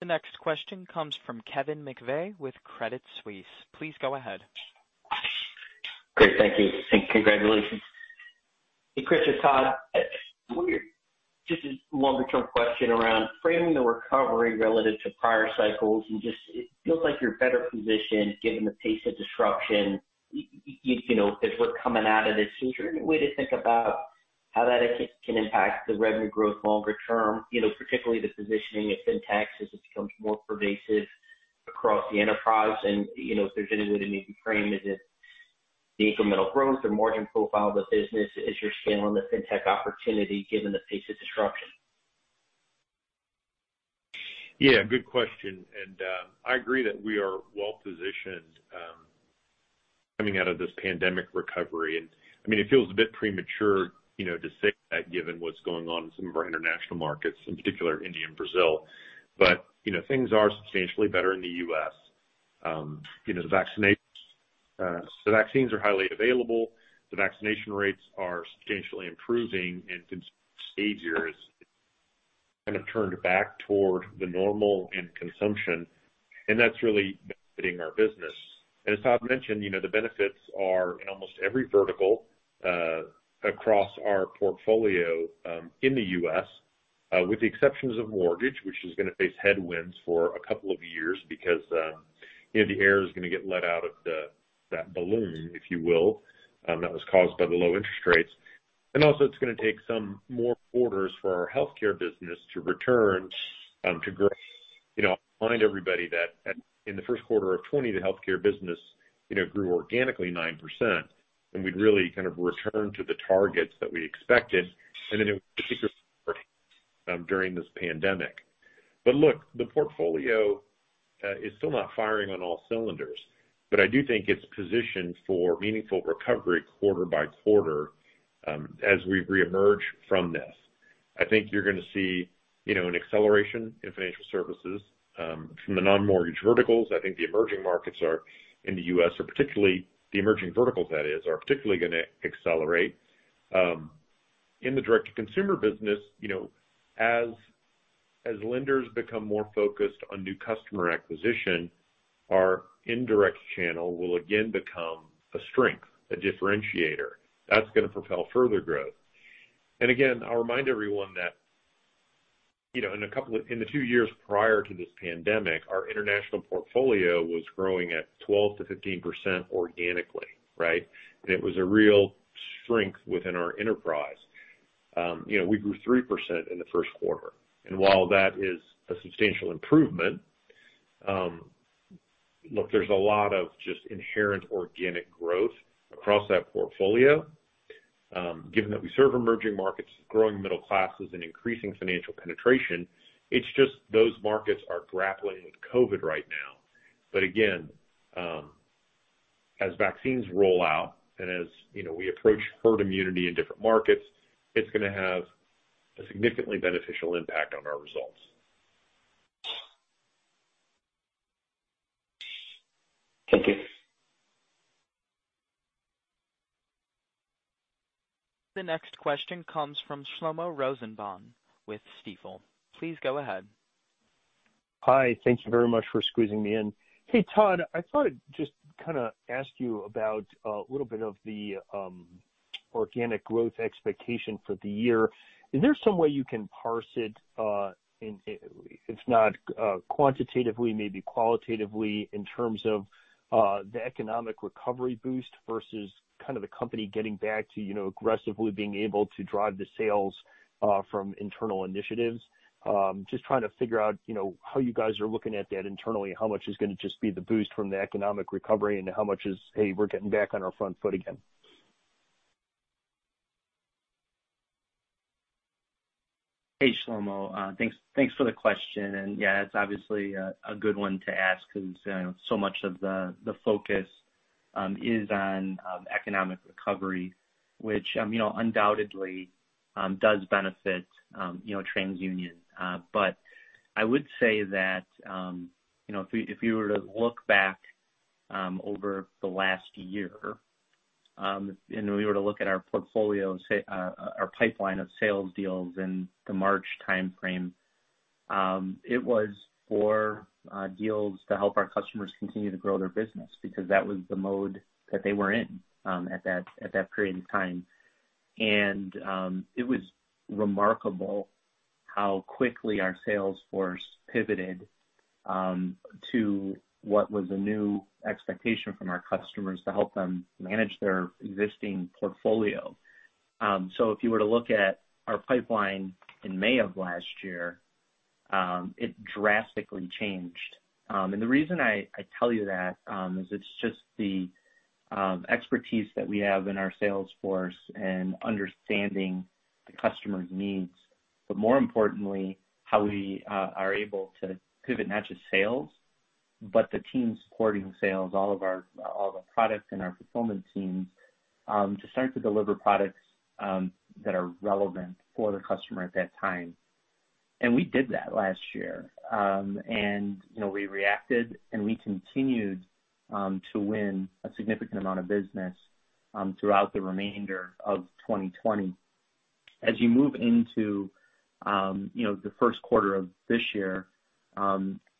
The next question comes from Kevin McVeigh with Credit Suisse. Please go ahead. Great. Thank you. Congratulations. Hey, Chris and Todd, just a longer-term question around framing the recovery relative to prior cycles and just it feels like you're better positioned given the pace of disruption as we're coming out of this. Is there any way to think about how that can impact the revenue growth longer term, particularly the positioning of FinTech as it becomes more pervasive across the enterprise and if there's any way to maybe frame is it the incremental growth or margin profile of the business as you're scaling the FinTech opportunity given the pace of disruption? Yeah, good question. I agree that we are well-positioned coming out of this pandemic recovery. It feels a bit premature to say that given what's going on in some of our international markets, in particular India and Brazil. Things are substantially better in the U.S. The vaccines are highly available. The vaccination rates are substantially improving and consumer behavior has kind of turned back toward the normal and consumption, and that's really benefiting our business. As Todd mentioned, the benefits are in almost every vertical across our portfolio in the U.S. with the exceptions of mortgage, which is going to face headwinds for a couple of years because the air is going to get let out of that balloon, if you will, that was caused by the low interest rates. also it's going to take some more quarters for our healthcare business to return to growth. I remind everybody that in the first quarter of 2020, the healthcare business grew organically 9%, and we'd really kind of returned to the targets that we expected and then it was particularly hard hit during this pandemic. Look, the portfolio is still not firing on all cylinders, but I do think it's positioned for meaningful recovery quarter by quarter as we reemerge from this. I think you're going to see an acceleration in financial services from the non-mortgage verticals. I think the emerging markets in the U.S. are particularly the emerging verticals, that is, are particularly going to accelerate. In the direct-to-consumer business as lenders become more focused on new customer acquisition, our indirect channel will again become a strength, a differentiator. That's going to propel further growth. Again, I'll remind everyone that in the two years prior to this pandemic, our international portfolio was growing at 12%-15% organically, right? It was a real strength within our enterprise. We grew 3% in the first quarter. While that is a substantial improvement, look, there's a lot of just inherent organic growth across that portfolio, given that we serve emerging markets, growing middle classes, and increasing financial penetration. It's just those markets are grappling with COVID right now. Again, as vaccines roll out and as we approach herd immunity in different markets, it's going to have a significantly beneficial impact on our results. Thank you. The next question comes from Shlomo Rosenbaum with Stifel. Please go ahead. Hi. Thank you very much for squeezing me in. Hey, Todd, I thought I'd just ask you about a little bit of the organic growth expectation for the year. Is there some way you can parse it, if not quantitatively, maybe qualitatively, in terms of the economic recovery boost versus the company getting back to aggressively being able to drive the sales from internal initiatives? Just trying to figure out how you guys are looking at that internally. How much is going to just be the boost from the economic recovery, and how much is, "Hey, we're getting back on our front foot again? Hey, Shlomo. Thanks for the question. Yeah, it's obviously a good one to ask because so much of the focus is on economic recovery, which undoubtedly does benefit TransUnion. I would say that if you were to look back over the last year, and we were to look at our portfolio, our pipeline of sales deals in the March timeframe, it was for deals to help our customers continue to grow their business because that was the mode that they were in at that period of time. It was remarkable how quickly our sales force pivoted to what was a new expectation from our customers to help them manage their existing portfolio. If you were to look at our pipeline in May of last year, it drastically changed. The reason I tell you that is it's just the expertise that we have in our sales force and understanding the customer's needs. More importantly, how we are able to pivot not just sales, but the team supporting sales, all of our product and our fulfillment teams to start to deliver products that are relevant for the customer at that time. We did that last year. We reacted, and we continued to win a significant amount of business throughout the remainder of 2020. As you move into the first quarter of this year,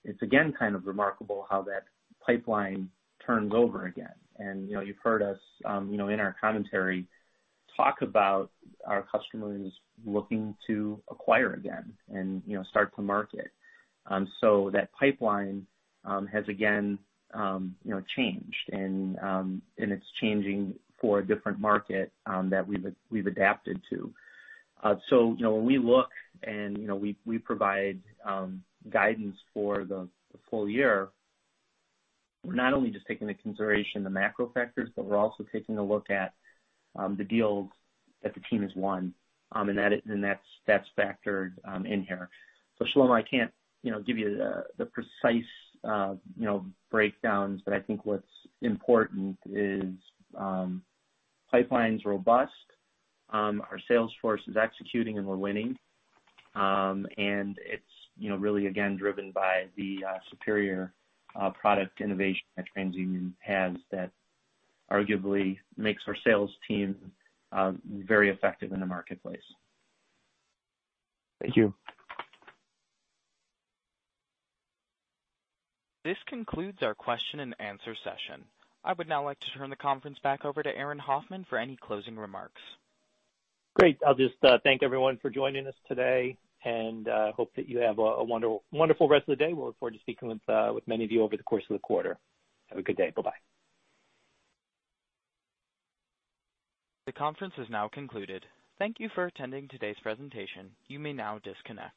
it's again kind of remarkable how that pipeline turns over again. You've heard us, in our commentary, talk about our customers looking to acquire again and start to market. That pipeline has again changed, and it's changing for a different market that we've adapted to. when we look and we provide guidance for the full year, we're not only just taking into consideration the macro factors, but we're also taking a look at the deals that the team has won, and that's factored in here. Shlomo, I can't give you the precise breakdowns, but I think what's important is pipeline's robust. Our sales force is executing, and we're winning. it's really, again, driven by the superior product innovation that TransUnion has that arguably makes our sales team very effective in the marketplace. Thank you. This concludes our question and answer session. I would now like to turn the conference back over to Aaron Hoffman for any closing remarks. Great. I'll just thank everyone for joining us today and hope that you have a wonderful rest of the day. We look forward to speaking with many of you over the course of the quarter. Have a good day. Bye-bye. The conference is now concluded. Thank you for attending today's presentation. You may now disconnect.